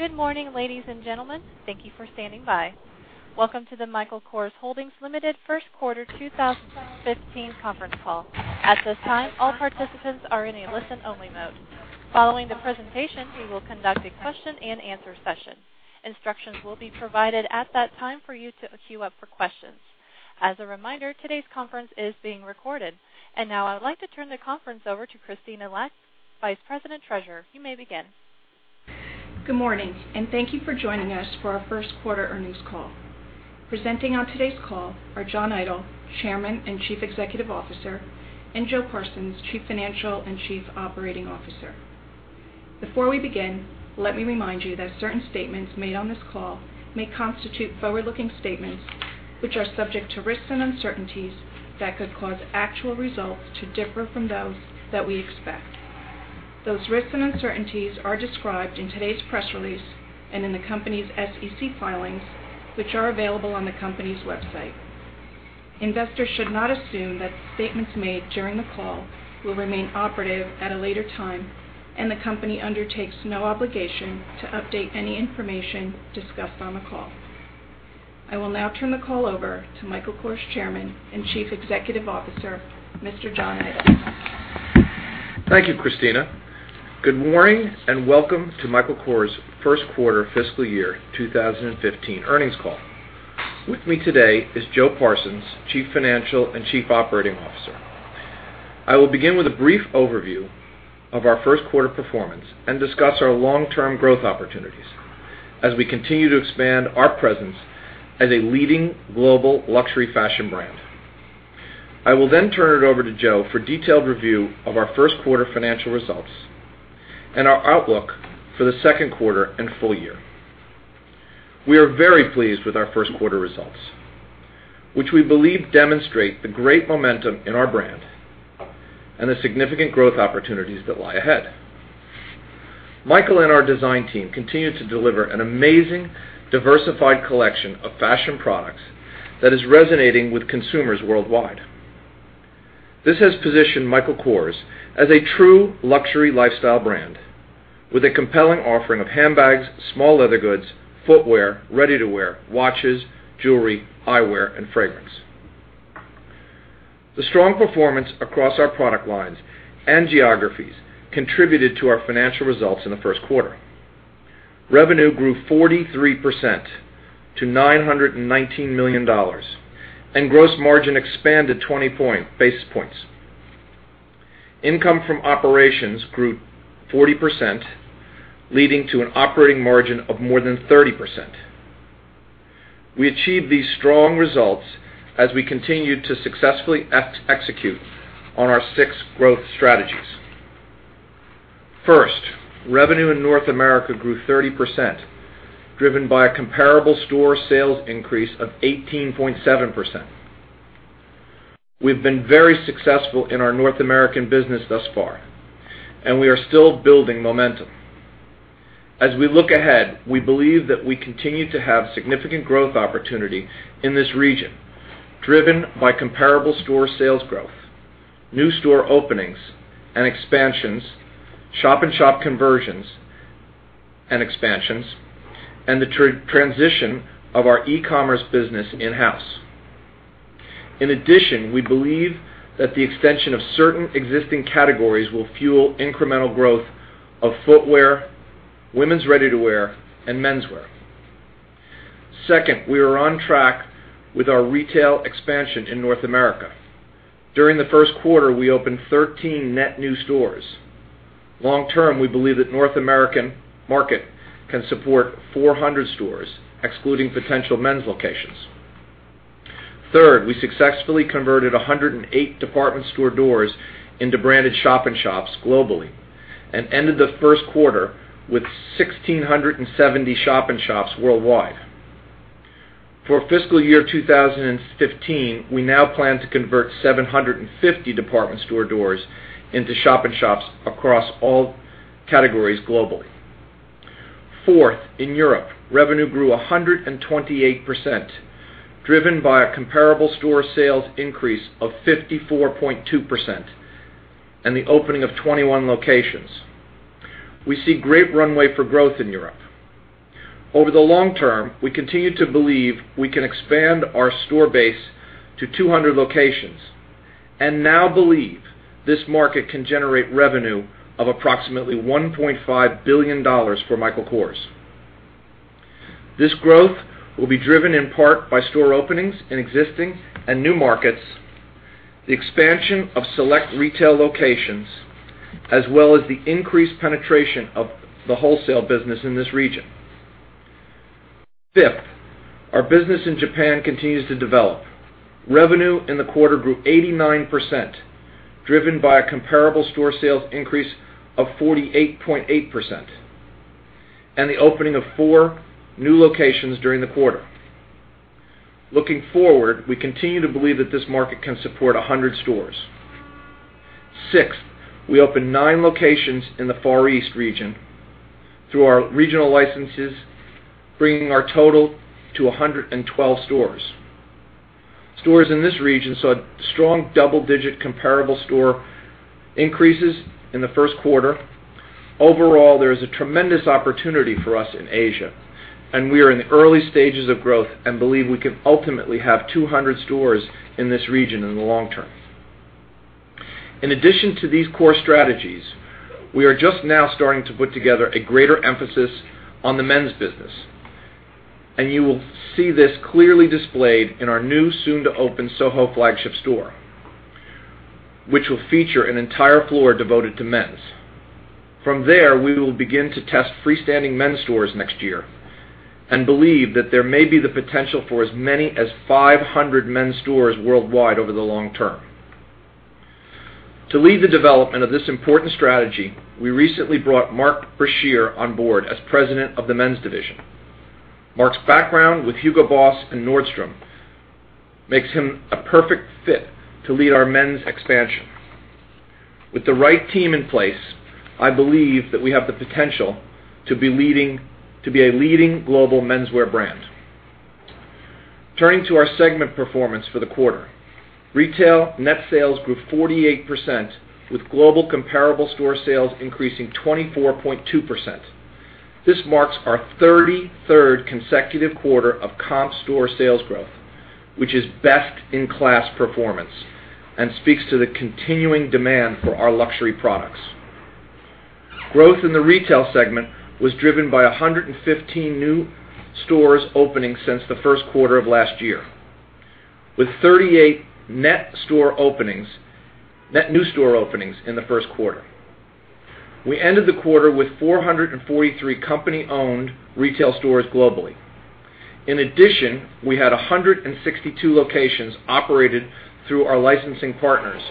Good morning, ladies and gentlemen. Thank you for standing by. Welcome to the Michael Kors Holdings Limited First Quarter 2015 Conference Call. At this time, all participants are in a listen-only mode. Following the presentation, we will conduct a question-and-answer session. Instructions will be provided at that time for you to queue up for questions. As a reminder, today's conference is being recorded. Now I would like to turn the conference over to Christina Falci, Vice President, Treasurer. You may begin. Good morning, thank you for joining us for our first quarter earnings call. Presenting on today's call are John Idol, Chairman and Chief Executive Officer, and Joe Parsons, Chief Financial and Chief Operating Officer. Before we begin, let me remind you that certain statements made on this call may constitute forward-looking statements, which are subject to risks and uncertainties that could cause actual results to differ from those that we expect. Those risks and uncertainties are described in today's press release and in the company's SEC filings, which are available on the company's website. Investors should not assume that statements made during the call will remain operative at a later time. The company undertakes no obligation to update any information discussed on the call. I will now turn the call over to Michael Kors Chairman and Chief Executive Officer, Mr. John Idol. Thank you, Christina. Good morning, welcome to Michael Kors' First Quarter Fiscal Year 2015 Earnings Call. With me today is Joe Parsons, Chief Financial and Chief Operating Officer. I will begin with a brief overview of our first quarter performance, discuss our long-term growth opportunities as we continue to expand our presence as a leading global luxury fashion brand. I will turn it over to Joe for detailed review of our first quarter financial results, our outlook for the second quarter and full year. We are very pleased with our first quarter results, which we believe demonstrate the great momentum in our brand, the significant growth opportunities that lie ahead. Michael and our design team continue to deliver an amazing, diversified collection of fashion products that is resonating with consumers worldwide. This has positioned Michael Kors as a true luxury lifestyle brand with a compelling offering of handbags, small leather goods, footwear, ready-to-wear, watches, jewelry, eyewear, and fragrance. The strong performance across our product lines and geographies contributed to our financial results in the first quarter. Revenue grew 43% to $919 million. Gross margin expanded 20 basis points. Income from operations grew 40%, leading to an operating margin of more than 30%. We achieved these strong results as we continued to successfully execute on our six growth strategies. First, revenue in North America grew 30%, driven by a comparable store sales increase of 18.7%. We've been very successful in our North American business thus far. We are still building momentum. As we look ahead, we believe that we continue to have significant growth opportunity in this region, driven by comparable store sales growth, new store openings and expansions, shop-in-shop conversions and expansions, and the transition of our e-commerce business in-house. In addition, we believe that the extension of certain existing categories will fuel incremental growth of footwear, women's ready-to-wear, and menswear. Second, we are on track with our retail expansion in North America. During the first quarter, we opened 13 net new stores. Long term, we believe that North American market can support 400 stores, excluding potential men's locations. Third, we successfully converted 108 department store doors into branded shop-in-shops globally and ended the first quarter with 1,670 shop-in-shops worldwide. For fiscal year 2015, we now plan to convert 750 department store doors into shop-in-shops across all categories globally. Fourth, in Europe, revenue grew 128%, driven by a comparable store sales increase of 54.2% and the opening of 21 locations. We see great runway for growth in Europe. Over the long term, we continue to believe we can expand our store base to 200 locations and now believe this market can generate revenue of approximately $1.5 billion for Michael Kors. This growth will be driven in part by store openings in existing and new markets, the expansion of select retail locations, as well as the increased penetration of the wholesale business in this region. Fifth, our business in Japan continues to develop. Revenue in the quarter grew 89%, driven by a comparable store sales increase of 48.8% and the opening of four new locations during the quarter. Looking forward, we continue to believe that this market can support 100 stores. Sixth, we opened nine locations in the Far East region through our regional licenses, bringing our total to 112 stores. Stores in this region saw strong double-digit comparable store increases in the first quarter. Overall, there is a tremendous opportunity for us in Asia, and we are in the early stages of growth and believe we can ultimately have 200 stores in this region in the long term. In addition to these core strategies, we are just now starting to put together a greater emphasis on the men's business, and you will see this clearly displayed in our new soon-to-open Soho flagship store, which will feature an entire floor devoted to men's. From there, we will begin to test freestanding men's stores next year and believe that there may be the potential for as many as 500 men's stores worldwide over the long term. To lead the development of this important strategy, we recently brought Mark Brashear on board as president of the men's division. Mark's background with Hugo Boss and Nordstrom makes him a perfect fit to lead our men's expansion. With the right team in place, I believe that we have the potential to be a leading global menswear brand. Turning to our segment performance for the quarter. Retail net sales grew 48%, with global comparable store sales increasing 24.2%. This marks our 33rd consecutive quarter of comp store sales growth, which is best-in-class performance and speaks to the continuing demand for our luxury products. Growth in the retail segment was driven by 115 new stores openings since the first quarter of last year. With 38 net new store openings in the first quarter. We ended the quarter with 443 company-owned retail stores globally. In addition, we had 162 locations operated through our licensing partners,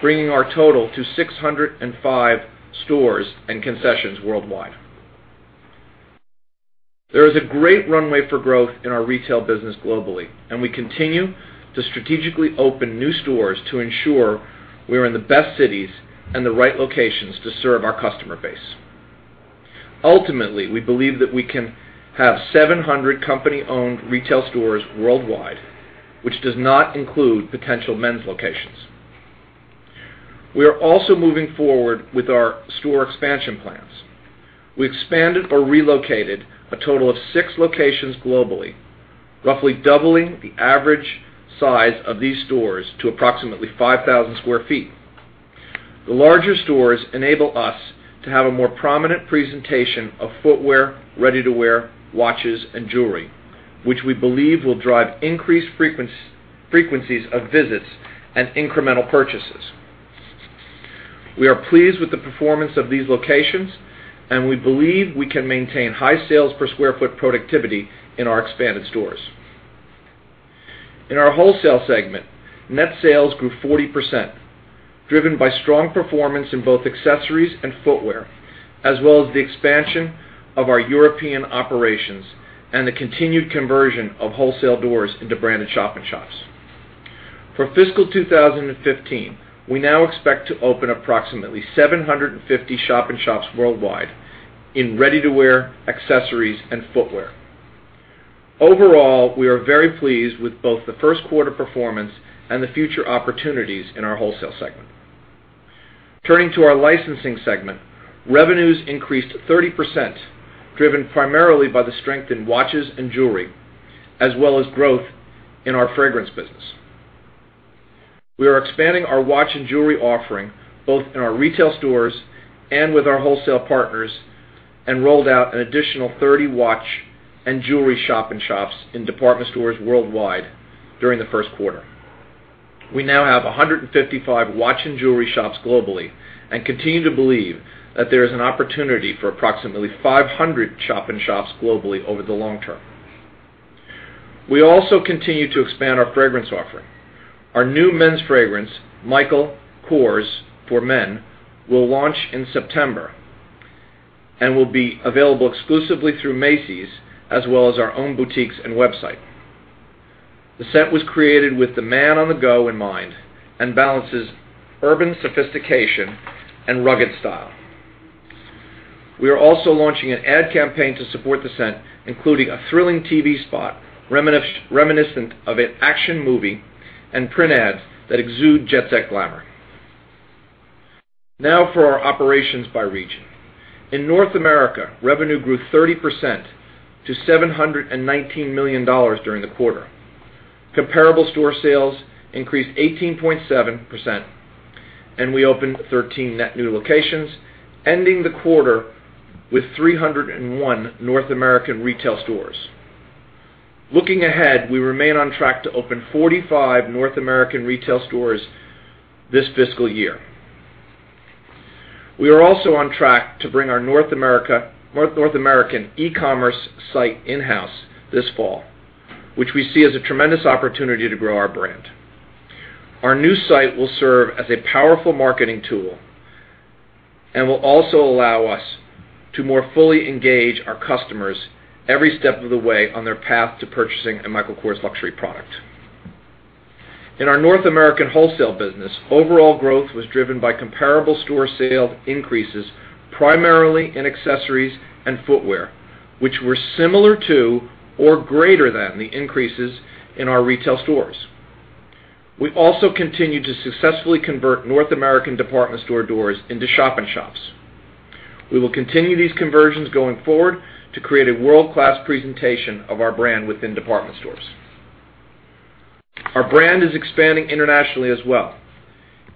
bringing our total to 605 stores and concessions worldwide. There is a great runway for growth in our retail business globally, and we continue to strategically open new stores to ensure we are in the best cities and the right locations to serve our customer base. Ultimately, we believe that we can have 700 company-owned retail stores worldwide, which does not include potential men's locations. We are also moving forward with our store expansion plans. We expanded or relocated a total of six locations globally, roughly doubling the average size of these stores to approximately 5,000 sq ft. The larger stores enable us to have a more prominent presentation of footwear, ready-to-wear, watches, and jewelry, which we believe will drive increased frequencies of visits and incremental purchases. We are pleased with the performance of these locations, and we believe we can maintain high sales per sq ft productivity in our expanded stores. In our wholesale segment, net sales grew 40%, driven by strong performance in both accessories and footwear, as well as the expansion of our European operations and the continued conversion of wholesale doors into branded shop-in-shops. For fiscal 2015, we now expect to open approximately 750 shop-in-shops worldwide in ready-to-wear, accessories, and footwear. Overall, we are very pleased with both the first quarter performance and the future opportunities in our wholesale segment. Turning to our licensing segment, revenues increased 30%, driven primarily by the strength in watches and jewelry, as well as growth in our fragrance business. We are expanding our watch and jewelry offering both in our retail stores and with our wholesale partners and rolled out an additional 30 watch and jewelry shop-in-shops in department stores worldwide during the first quarter. We now have 155 watch and jewelry shops globally and continue to believe that there is an opportunity for approximately 500 shop-in-shops globally over the long term. We also continue to expand our fragrance offering. Our new men's fragrance, Michael Kors for Men, will launch in September and will be available exclusively through Macy's as well as our own boutiques and website. The scent was created with the man on the go in mind and balances urban sophistication and rugged style. We are also launching an ad campaign to support the scent, including a thrilling TV spot reminiscent of an action movie and print ads that exude jet set glamour. Now for our operations by region. In North America, revenue grew 30% to $719 million during the quarter. Comparable store sales increased 18.7%, and we opened 13 net new locations, ending the quarter with 301 North American retail stores. Looking ahead, we remain on track to open 45 North American retail stores this fiscal year. We are also on track to bring our North American e-commerce site in-house this fall, which we see as a tremendous opportunity to grow our brand. Our new site will serve as a powerful marketing tool and will also allow us to more fully engage our customers every step of the way on their path to purchasing a Michael Kors luxury product. In our North American wholesale business, overall growth was driven by comparable store sale increases, primarily in accessories and footwear, which were similar to or greater than the increases in our retail stores. We also continued to successfully convert North American department store doors into shop-in-shops. We will continue these conversions going forward to create a world-class presentation of our brand within department stores. Our brand is expanding internationally as well.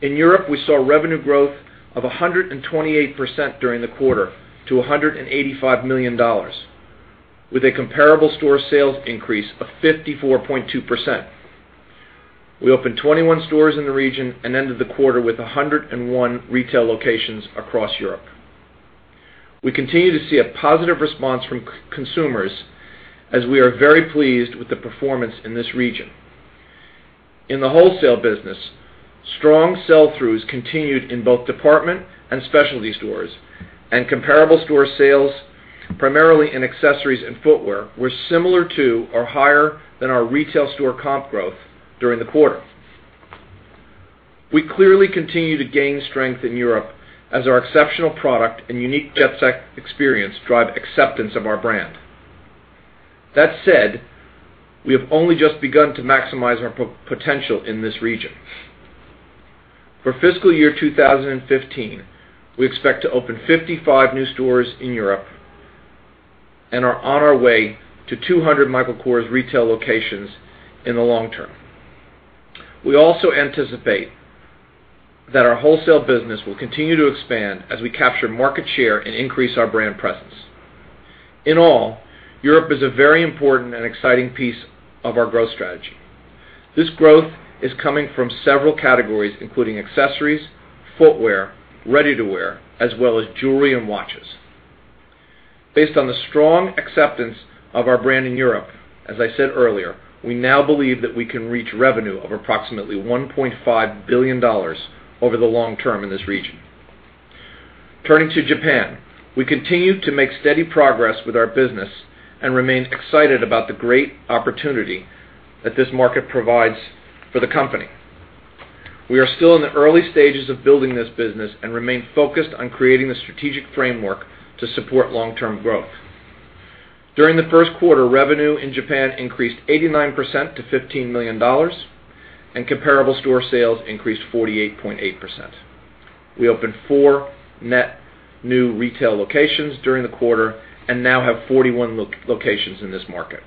In Europe, we saw revenue growth of 128% during the quarter to $185 million, with a comparable store sales increase of 54.2%. We opened 21 stores in the region and ended the quarter with 101 retail locations across Europe. We continue to see a positive response from consumers as we are very pleased with the performance in this region. In the wholesale business, strong sell-throughs continued in both department and specialty stores, and comparable store sales, primarily in accessories and footwear, were similar to or higher than our retail store comp growth during the quarter. We clearly continue to gain strength in Europe as our exceptional product and unique jet set experience drive acceptance of our brand. That said, we have only just begun to maximize our potential in this region. For fiscal year 2015, we expect to open 55 new stores in Europe and are on our way to 200 Michael Kors retail locations in the long term. We also anticipate that our wholesale business will continue to expand as we capture market share and increase our brand presence. In all, Europe is a very important and exciting piece of our growth strategy. This growth is coming from several categories, including accessories, footwear, ready-to-wear, as well as jewelry and watches. Based on the strong acceptance of our brand in Europe, as I said earlier, we now believe that we can reach revenue of approximately $1.5 billion over the long term in this region. Turning to Japan, we continue to make steady progress with our business and remain excited about the great opportunity that this market provides for the company. We are still in the early stages of building this business and remain focused on creating the strategic framework to support long-term growth. During the first quarter, revenue in Japan increased 89% to $15 million, and comparable store sales increased 48.8%. We opened four net new retail locations during the quarter and now have 41 locations in this market.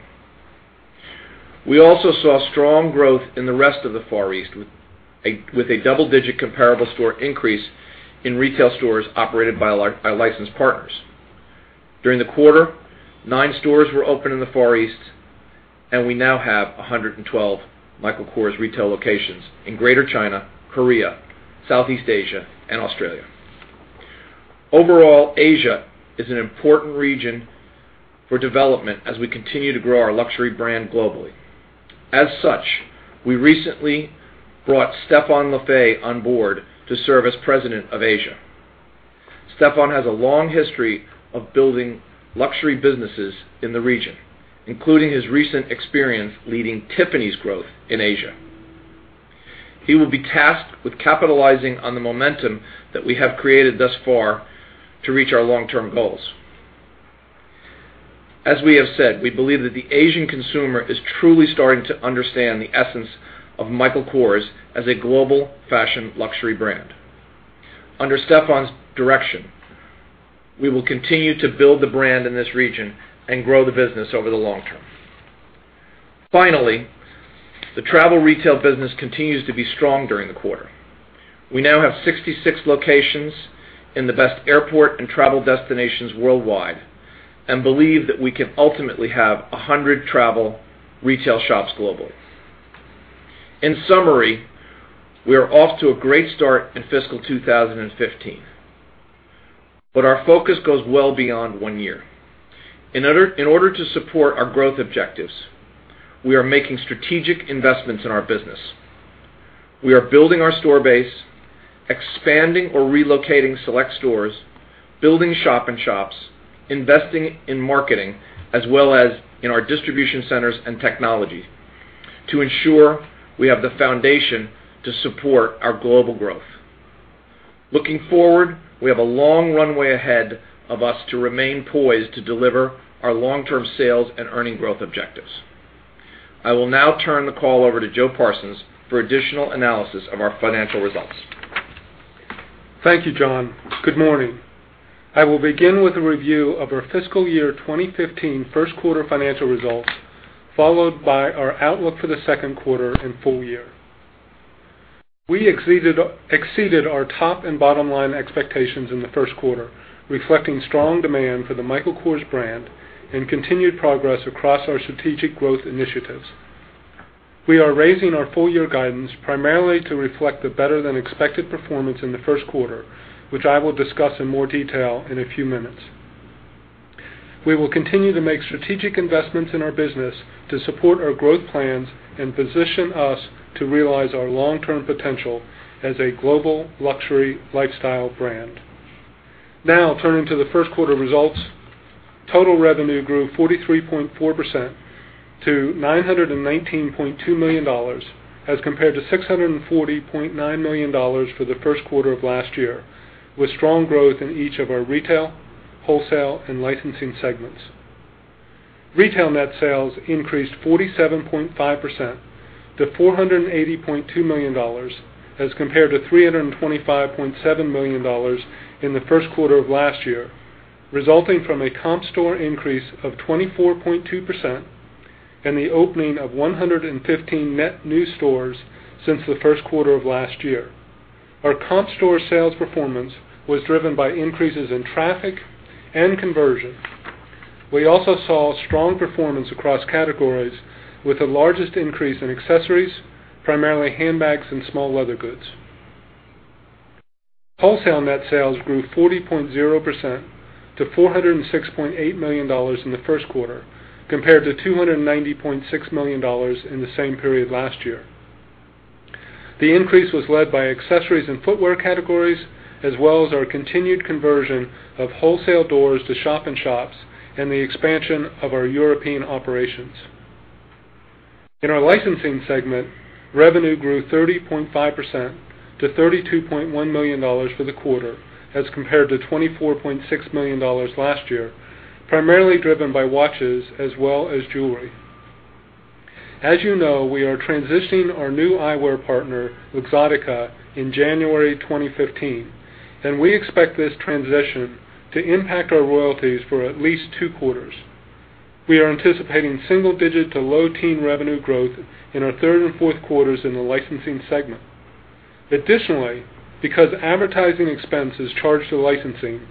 We also saw strong growth in the rest of the Far East, with a double-digit comparable store increase in retail stores operated by licensed partners. During the quarter, nine stores were opened in the Far East, and we now have 112 Michael Kors retail locations in Greater China, Korea, Southeast Asia, and Australia. Overall, Asia is an important region for development as we continue to grow our luxury brand globally. As such, we recently brought Stephane Lafay on board to serve as President of Asia. Stephane has a long history of building luxury businesses in the region, including his recent experience leading Tiffany's growth in Asia. He will be tasked with capitalizing on the momentum that we have created thus far to reach our long-term goals. As we have said, we believe that the Asian consumer is truly starting to understand the essence of Michael Kors as a global fashion luxury brand. Under Stephane's direction, we will continue to build the brand in this region and grow the business over the long term. Finally, the travel retail business continues to be strong during the quarter. We now have 66 locations in the best airport and travel destinations worldwide and believe that we can ultimately have 100 travel retail shops globally. In summary, we are off to a great start in fiscal 2015. Our focus goes well beyond one year. In order to support our growth objectives, we are making strategic investments in our business. We are building our store base, expanding or relocating select stores, building shop-in-shops, investing in marketing, as well as in our distribution centers and technology to ensure we have the foundation to support our global growth. Looking forward, we have a long runway ahead of us to remain poised to deliver our long-term sales and earning growth objectives. I will now turn the call over to Joe Parsons for additional analysis of our financial results. Thank you, John. Good morning. I will begin with a review of our fiscal year 2015 first quarter financial results, followed by our outlook for the second quarter and full year. We exceeded our top and bottom-line expectations in the first quarter, reflecting strong demand for the Michael Kors brand and continued progress across our strategic growth initiatives. We are raising our full-year guidance primarily to reflect the better-than-expected performance in the first quarter, which I will discuss in more detail in a few minutes. We will continue to make strategic investments in our business to support our growth plans and position us to realize our long-term potential as a global luxury lifestyle brand. Turning to the first quarter results. Total revenue grew 43.4% to $919.2 million as compared to $640.9 million for the first quarter of last year, with strong growth in each of our retail, wholesale, and licensing segments. Retail net sales increased 47.5% to $480.2 million as compared to $325.7 million in the first quarter of last year, resulting from a comp store increase of 24.2% and the opening of 115 net new stores since the first quarter of last year. Our comp store sales performance was driven by increases in traffic and conversion. We also saw strong performance across categories with the largest increase in accessories, primarily handbags and small leather goods. Wholesale net sales grew 40.0% to $406.8 million in the first quarter, compared to $290.6 million in the same period last year. The increase was led by accessories and footwear categories, as well as our continued conversion of wholesale doors to shop-in-shops and the expansion of our European operations. In our licensing segment, revenue grew 30.5% to $32.1 million for the quarter as compared to $24.6 million last year, primarily driven by watches as well as jewelry. You know, we are transitioning our new eyewear partner, Luxottica, in January 2015, and we expect this transition to impact our royalties for at least two quarters. We are anticipating single-digit to low-teen revenue growth in our third and fourth quarters in the licensing segment. Because advertising expense is charged to licensing,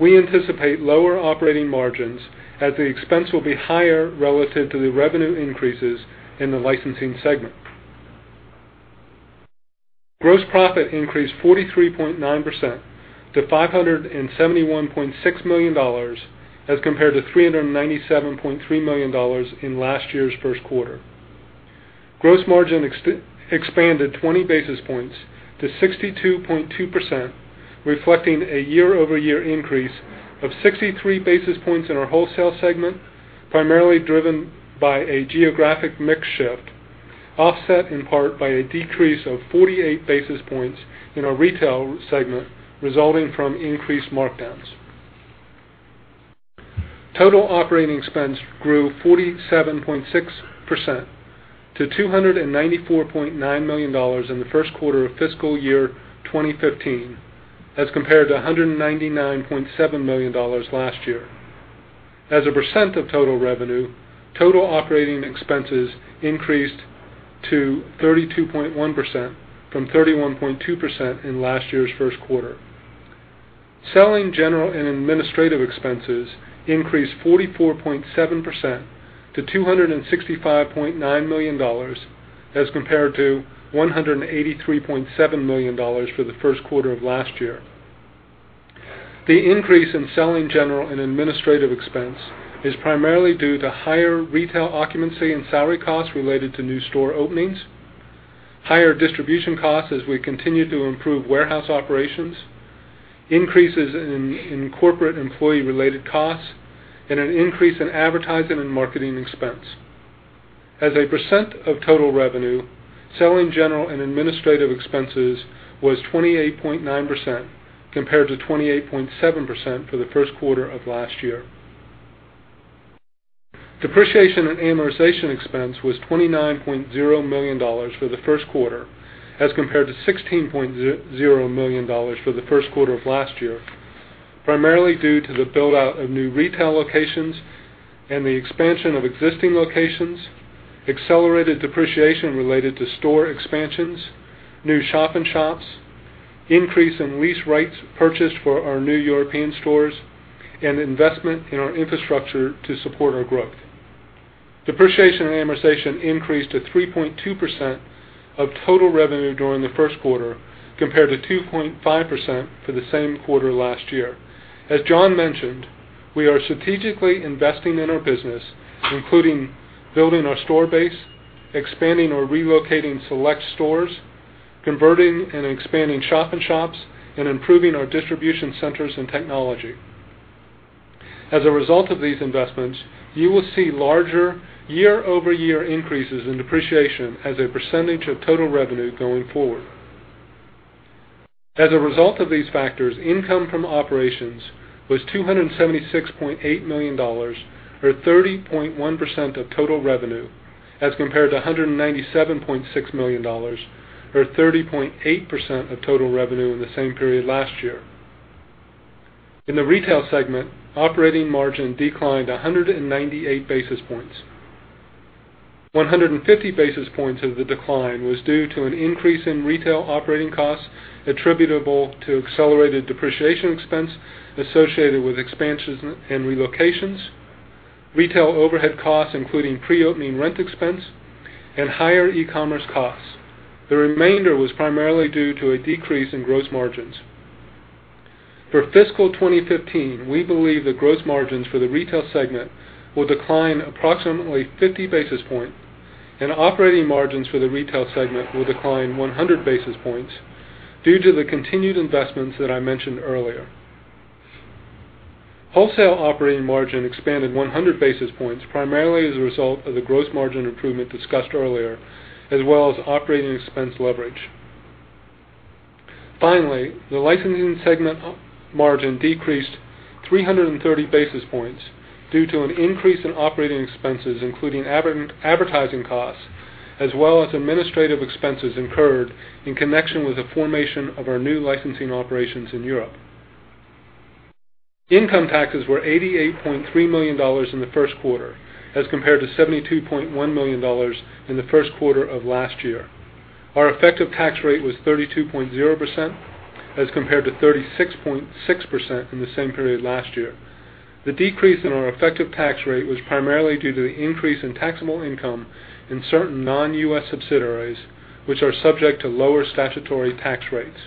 we anticipate lower operating margins as the expense will be higher relative to the revenue increases in the licensing segment. Gross profit increased 43.9% to $571.6 million as compared to $397.3 million in last year's first quarter. Gross margin expanded 20 basis points to 62.2%, reflecting a year-over-year increase of 63 basis points in our wholesale segment, primarily driven by a geographic mix shift, offset in part by a decrease of 48 basis points in our retail segment resulting from increased markdowns. Total operating expense grew 47.6% to $294.9 million in the first quarter of fiscal year 2015 as compared to $199.7 million last year. As a percent of total revenue, total operating expenses increased to 32.1% from 31.2% in last year's first quarter. Selling, general, and administrative expenses increased 44.7% to $265.9 million as compared to $183.7 million for the first quarter of last year. The increase in selling, general, and administrative expense is primarily due to higher retail occupancy and salary costs related to new store openings, higher distribution costs as we continue to improve warehouse operations, increases in corporate employee-related costs, and an increase in advertising and marketing expense. As a percent of total revenue, selling, general, and administrative expenses was 28.9% compared to 28.7% for the first quarter of last year. Depreciation and amortization expense was $29.0 million for the first quarter as compared to $16.0 million for the first quarter of last year, primarily due to the build-out of new retail locations and the expansion of existing locations, accelerated depreciation related to store expansions, new shop-in-shops, increase in lease rates purchased for our new European stores, and investment in our infrastructure to support our growth. Depreciation and amortization increased to 3.2% of total revenue during the first quarter, compared to 2.5% for the same quarter last year. As John mentioned, we are strategically investing in our business, including building our store base, expanding or relocating select stores, converting and expanding shop-in-shops, and improving our distribution centers and technology. As a result of these investments, you will see larger year-over-year increases in depreciation as a percentage of total revenue going forward. As a result of these factors, income from operations was $276.8 million or 30.1% of total revenue as compared to $197.6 million or 30.8% of total revenue in the same period last year. In the retail segment, operating margin declined 198 basis points. 150 basis points of the decline was due to an increase in retail operating costs attributable to accelerated depreciation expense associated with expansions and relocations, retail overhead costs including pre-opening rent expense, and higher e-commerce costs. The remainder was primarily due to a decrease in gross margins. For fiscal 2015, we believe the gross margins for the retail segment will decline approximately 50 basis points, and operating margins for the retail segment will decline 100 basis points due to the continued investments that I mentioned earlier. Wholesale operating margin expanded 100 basis points, primarily as a result of the gross margin improvement discussed earlier, as well as operating expense leverage. Finally, the licensing segment margin decreased 330 basis points due to an increase in operating expenses, including advertising costs, as well as administrative expenses incurred in connection with the formation of our new licensing operations in Europe. Income taxes were $88.3 million in the first quarter as compared to $72.1 million in the first quarter of last year. Our effective tax rate was 32.0% as compared to 36.6% in the same period last year. The decrease in our effective tax rate was primarily due to the increase in taxable income in certain non-U.S. subsidiaries, which are subject to lower statutory tax rates.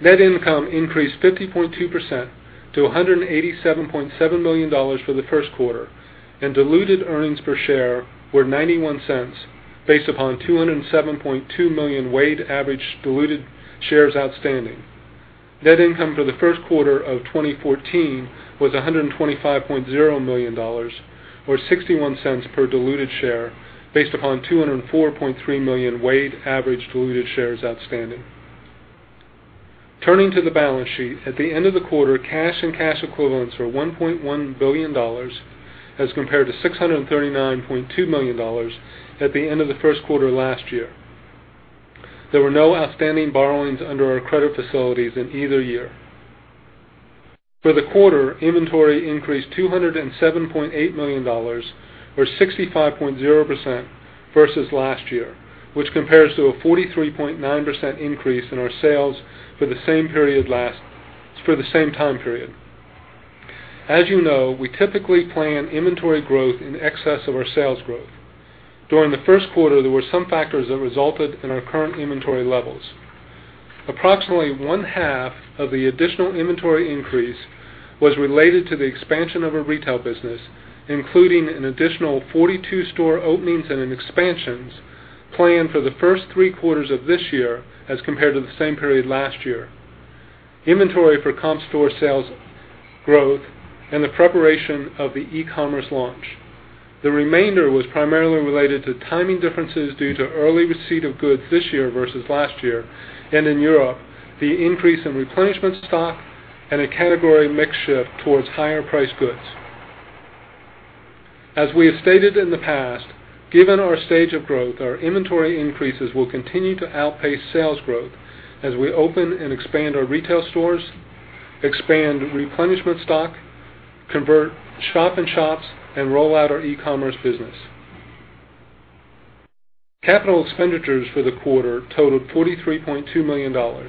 Net income increased 50.2% to $187.7 million for the first quarter, and diluted earnings per share were $0.91, based upon 207.2 million weighted average diluted shares outstanding. Net income for the first quarter of 2014 was $125.0 million, or $0.61 per diluted share, based upon 204.3 million weighted average diluted shares outstanding. Turning to the balance sheet. At the end of the quarter, cash and cash equivalents were $1.1 billion as compared to $639.2 million at the end of the first quarter last year. There were no outstanding borrowings under our credit facilities in either year. For the quarter, inventory increased to $207.8 million or 65.0% versus last year, which compares to a 43.9% increase in our sales for the same time period. As you know, we typically plan inventory growth in excess of our sales growth. During the first quarter, there were some factors that resulted in our current inventory levels. Approximately one-half of the additional inventory increase was related to the expansion of our retail business, including an additional 42 store openings and expansions planned for the first three quarters of this year as compared to the same period last year. Inventory for comp store sales growth and the preparation of the e-commerce launch. The remainder was primarily related to timing differences due to early receipt of goods this year versus last year, and in Europe, the increase in replenishment stock and a category mix shift towards higher-priced goods. As we have stated in the past, given our stage of growth, our inventory increases will continue to outpace sales growth as we open and expand our retail stores, expand replenishment stock, convert shop-in-shops, and roll out our e-commerce business. Capital expenditures for the quarter totaled $43.2 million.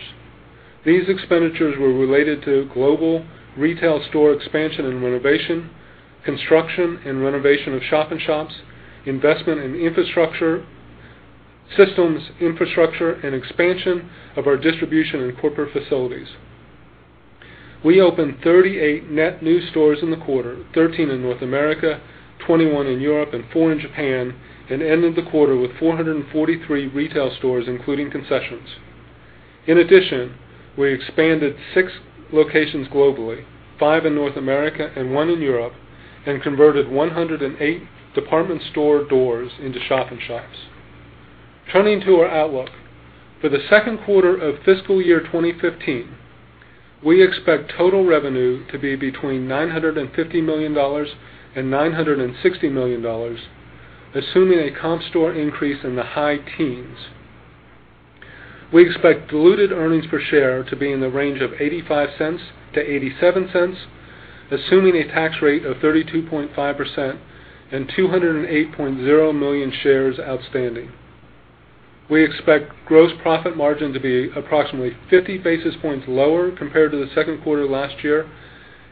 These expenditures were related to global retail store expansion and renovation, construction and renovation of shop-in-shops, investment in systems infrastructure, and expansion of our distribution and corporate facilities. We opened 38 net new stores in the quarter, 13 in North America, 21 in Europe, and four in Japan, and ended the quarter with 443 retail stores, including concessions. In addition, we expanded six locations globally, five in North America and one in Europe, and converted 108 department store doors into shop-in-shops. Turning to our outlook. For the second quarter of fiscal year 2015, we expect total revenue to be between $950 million and $960 million, assuming a comp store increase in the high teens. We expect diluted earnings per share to be in the range of $0.85-$0.87, assuming a tax rate of 32.5% and 208.0 million shares outstanding. We expect gross profit margin to be approximately 50 basis points lower compared to the second quarter last year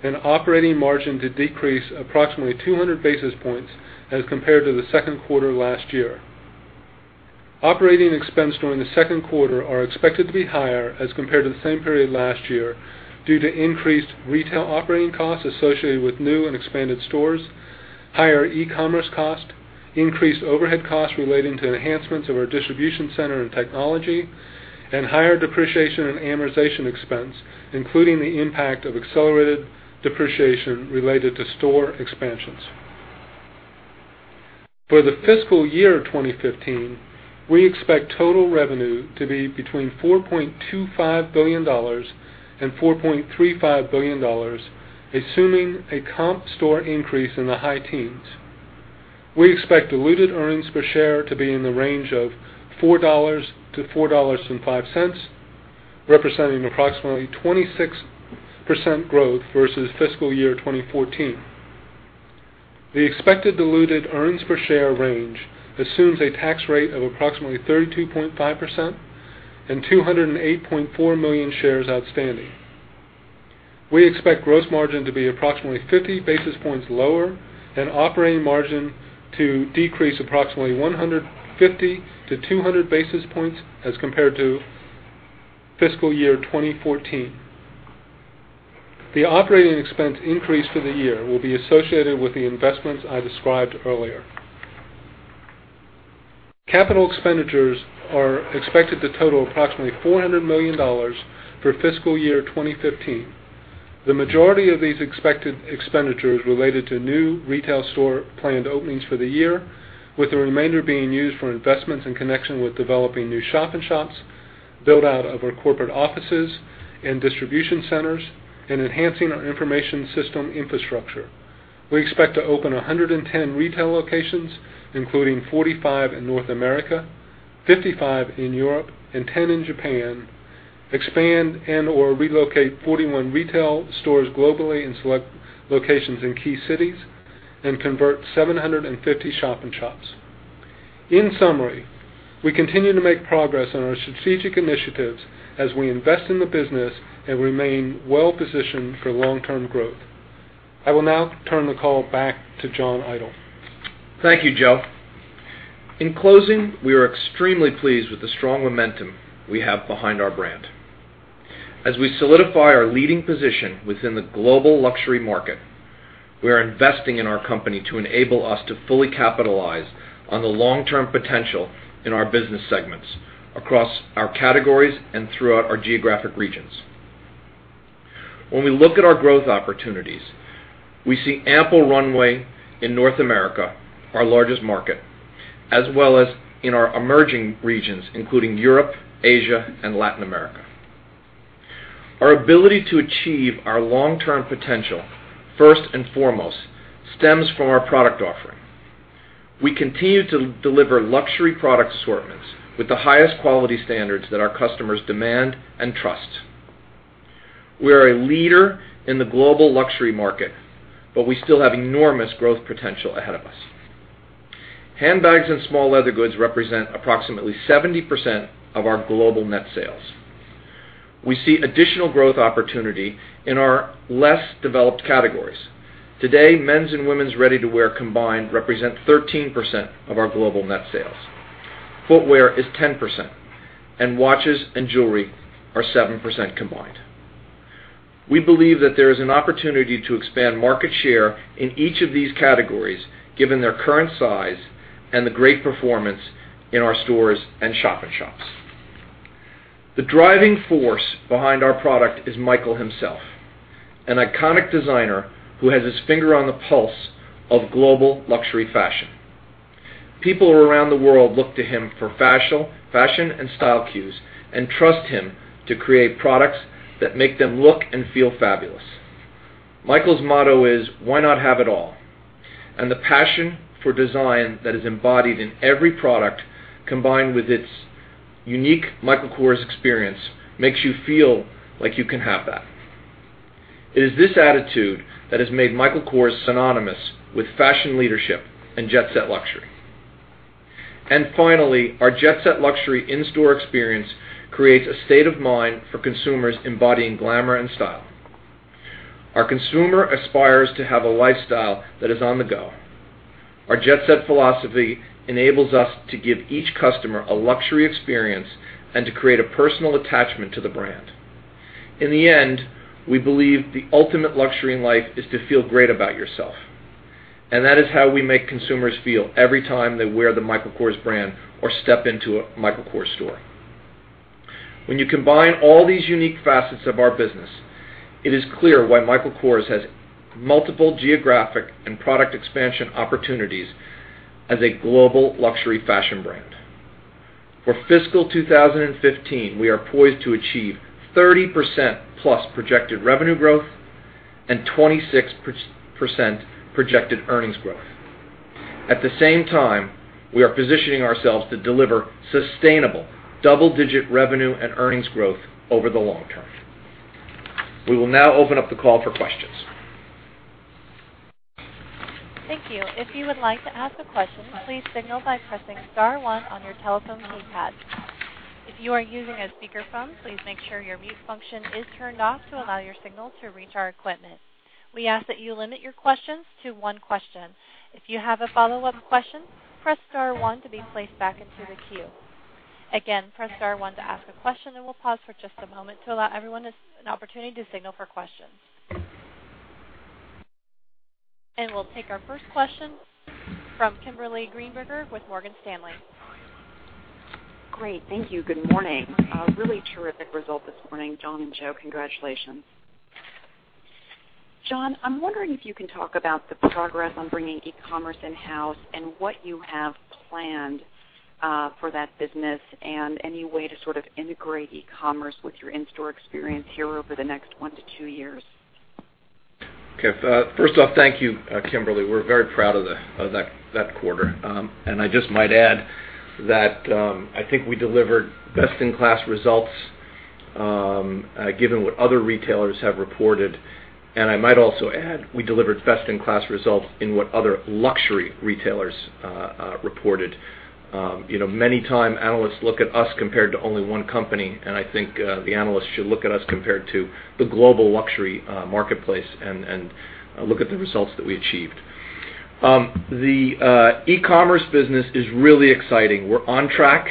and operating margin to decrease approximately 200 basis points as compared to the second quarter last year. Operating expense during the second quarter are expected to be higher as compared to the same period last year due to increased retail operating costs associated with new and expanded stores, higher e-commerce cost, increased overhead costs relating to enhancements of our distribution center and technology, and higher depreciation and amortization expense, including the impact of accelerated depreciation related to store expansions. For the fiscal year 2015, we expect total revenue to be between $4.25 billion and $4.35 billion, assuming a comp store increase in the high teens. We expect diluted earnings per share to be in the range of $4 to $4.05, representing approximately 26% growth versus fiscal year 2014. The expected diluted earnings per share range assumes a tax rate of approximately 32.5% and 208.4 million shares outstanding. We expect gross margin to be approximately 50 basis points lower and operating margin to decrease approximately 150 to 200 basis points as compared to fiscal year 2014. The operating expense increase for the year will be associated with the investments I described earlier. Capital expenditures are expected to total approximately $400 million for fiscal year 2015. The majority of these expected expenditures related to new retail store planned openings for the year, with the remainder being used for investments in connection with developing new shop-in-shops, build-out of our corporate offices and distribution centers, and enhancing our information system infrastructure. We expect to open 110 retail locations, including 45 in North America, 55 in Europe, and 10 in Japan, expand and/or relocate 41 retail stores globally in select locations in key cities, and convert 750 shop-in-shops. In summary, we continue to make progress on our strategic initiatives as we invest in the business and remain well-positioned for long-term growth. I will now turn the call back to John Idol. Thank you, Joe. In closing, we are extremely pleased with the strong momentum we have behind our brand. As we solidify our leading position within the global luxury market, we are investing in our company to enable us to fully capitalize on the long-term potential in our business segments across our categories and throughout our geographic regions. When we look at our growth opportunities, we see ample runway in North America, our largest market, as well as in our emerging regions, including Europe, Asia, and Latin America. Our ability to achieve our long-term potential first and foremost stems from our product offering. We continue to deliver luxury product assortments with the highest quality standards that our customers demand and trust. We are a leader in the global luxury market, but we still have enormous growth potential ahead of us. Handbags and small leather goods represent approximately 70% of our global net sales. We see additional growth opportunity in our less developed categories. Today, men's and women's ready-to-wear combined represent 13% of our global net sales. Footwear is 10%, and watches and jewelry are 7% combined. We believe that there is an opportunity to expand market share in each of these categories, given their current size and the great performance in our stores and shop-in-shops. The driving force behind our product is Michael himself, an iconic designer who has his finger on the pulse of global luxury fashion. People around the world look to him for fashion and style cues and trust him to create products that make them look and feel fabulous. Michael's motto is, "Why not have it all?" The passion for design that is embodied in every product, combined with its unique Michael Kors experience, makes you feel like you can have that. It is this attitude that has made Michael Kors synonymous with fashion leadership and jet-set luxury. Finally, our jet-set luxury in-store experience creates a state of mind for consumers embodying glamour and style. Our consumer aspires to have a lifestyle that is on the go. Our jet-set philosophy enables us to give each customer a luxury experience and to create a personal attachment to the brand. In the end, we believe the ultimate luxury in life is to feel great about yourself, and that is how we make consumers feel every time they wear the Michael Kors brand or step into a Michael Kors store. When you combine all these unique facets of our business, it is clear why Michael Kors has multiple geographic and product expansion opportunities as a global luxury fashion brand. For fiscal 2015, we are poised to achieve 30% plus projected revenue growth and 26% projected earnings growth. At the same time, we are positioning ourselves to deliver sustainable double-digit revenue and earnings growth over the long term. We will now open up the call for questions. Thank you. If you would like to ask a question, please signal by pressing star one on your telephone keypad. If you are using a speakerphone, please make sure your mute function is turned off to allow your signal to reach our equipment. We ask that you limit your questions to one question. If you have a follow-up question, press star one to be placed back into the queue. Again, press star one to ask a question, and we'll pause for just a moment to allow everyone an opportunity to signal for questions. We'll take our first question from Kimberly Greenberger with Morgan Stanley. Great. Thank you. Good morning. A really terrific result this morning, John and Joe. Congratulations. John, I'm wondering if you can talk about the progress on bringing e-commerce in-house and what you have planned for that business and any way to sort of integrate e-commerce with your in-store experience here over the next one to two years. Okay. First off, thank you, Kimberly. We're very proud of that quarter. I just might add that I think we delivered best-in-class results given what other retailers have reported. I might also add, we delivered best-in-class results in what other luxury retailers reported. Many times, analysts look at us compared to only one company, and I think the analysts should look at us compared to the global luxury marketplace and look at the results that we achieved. The e-commerce business is really exciting. We're on track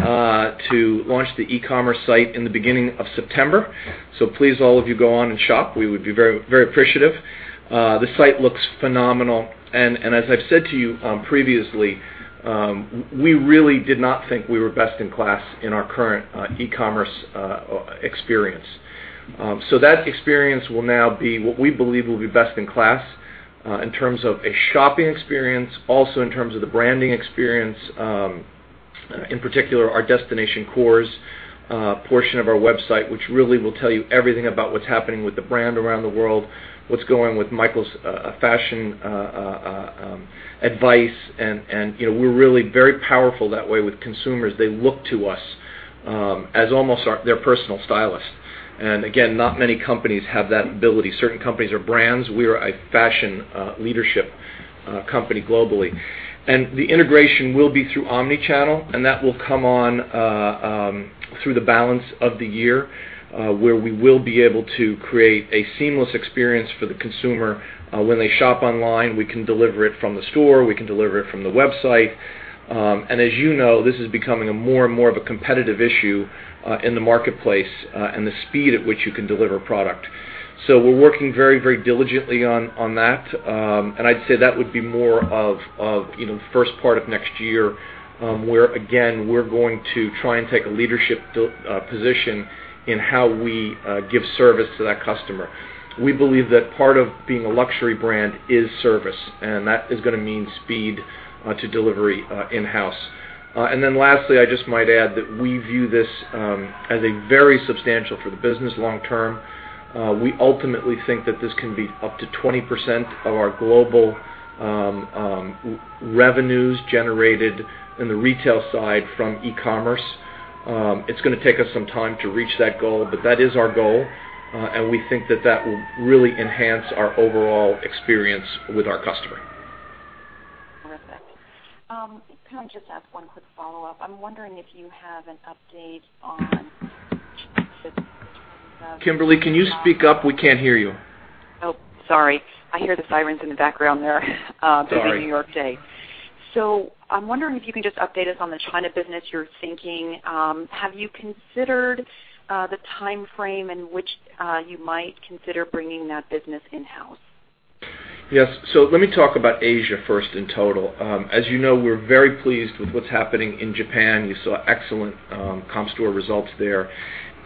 to launch the e-commerce site in the beginning of September. Please, all of you, go on and shop. We would be very appreciative. The site looks phenomenal. As I've said to you previously, we really did not think we were best in class in our current e-commerce experience. That experience will now be what we believe will be best in class in terms of a shopping experience, also in terms of the branding experience, in particular, our Destination Kors portion of our website, which really will tell you everything about what's happening with the brand around the world, what's going with Michael's fashion advice. We're really very powerful that way with consumers. They look to us as almost their personal stylist. Again, not many companies have that ability. Certain companies are brands. We are a fashion leadership company globally. The integration will be through omni-channel, and that will come on through the balance of the year where we will be able to create a seamless experience for the consumer. When they shop online, we can deliver it from the store, we can deliver it from the website. As you know, this is becoming more and more of a competitive issue in the marketplace and the speed at which you can deliver product. We're working very diligently on that. I'd say that would be more of first part of next year where, again, we're going to try and take a leadership position in how we give service to that customer. We believe that part of being a luxury brand is service, and that is going to mean speed to delivery in-house. Then lastly, I just might add that we view this as very substantial for the business long term. We ultimately think that this can be up to 20% of our global revenues generated in the retail side from e-commerce. It's going to take us some time to reach that goal, that is our goal, and we think that that will really enhance our overall experience with our customer. Terrific. Can I just ask one quick follow-up? I'm wondering if you have an update on the. Kimberly, can you speak up? We can't hear you. Oh, sorry. I hear the sirens in the background there. Sorry. It's a New York day. I'm wondering if you can just update us on the China business you're thinking. Have you considered the time frame in which you might consider bringing that business in-house? Yes. Let me talk about Asia first in total. As you know, we're very pleased with what's happening in Japan. You saw excellent comp store results there,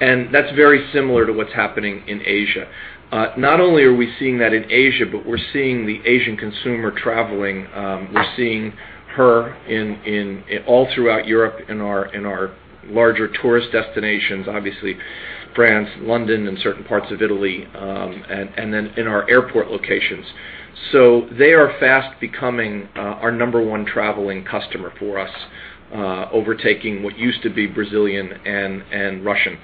that's very similar to what's happening in Asia. Not only are we seeing that in Asia, we're seeing the Asian consumer traveling. We're seeing her all throughout Europe in our larger tourist destinations, obviously France, London, certain parts of Italy, in our airport locations. They are fast becoming our number one traveling customer for us, overtaking what used to be Brazilian and Russian.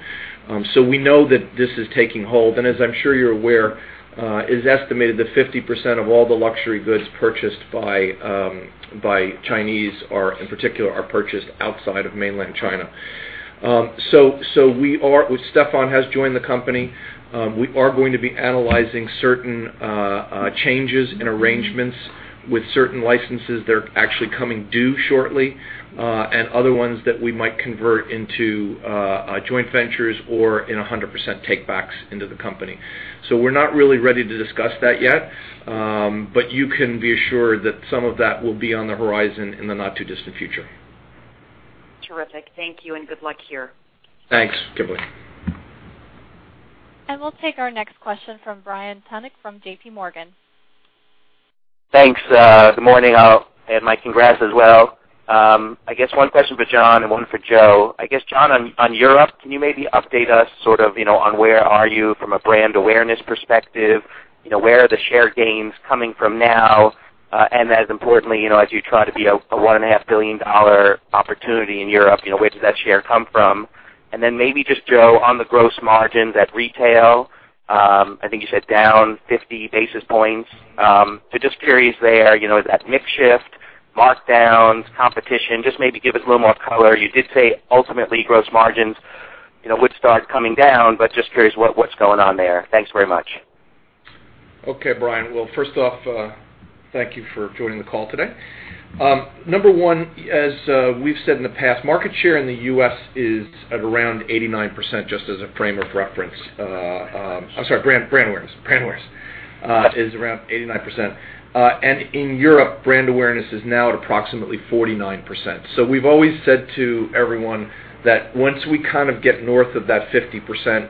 We know that this is taking hold, as I'm sure you're aware, it is estimated that 50% of all the luxury goods purchased by Chinese are, in particular, are purchased outside of mainland China. Stephane has joined the company. We are going to be analyzing certain changes in arrangements with certain licenses that are actually coming due shortly. Other ones that we might convert into joint ventures or in 100% take-backs into the company. We're not really ready to discuss that yet, you can be assured that some of that will be on the horizon in the not-too-distant future. Terrific. Thank you, good luck here. Thanks, Kimberly. We'll take our next question from Brian Tunick from JPMorgan. Thanks. Good morning all, my congrats as well. I guess one question for John and one for Joe. I guess, John, on Europe, can you maybe update us sort of on where are you from a brand awareness perspective? Where are the share gains coming from now? As importantly, as you try to be a $1.5 billion opportunity in Europe, where does that share come from? Then maybe just Joe, on the gross margins at retail, I think you said down 50 basis points. Just curious there, is that mix shift, markdowns, competition? Just maybe give us a little more color. You did say ultimately gross margins would start coming down, just curious what's going on there. Thanks very much. Okay, Brian. Well, first off, thank you for joining the call today. Number 1, as we've said in the past, market share in the U.S. is at around 89%, just as a frame of reference. I'm sorry, brand awareness is around 89%. In Europe, brand awareness is now at approximately 49%. We've always said to everyone that once we kind of get north of that 50%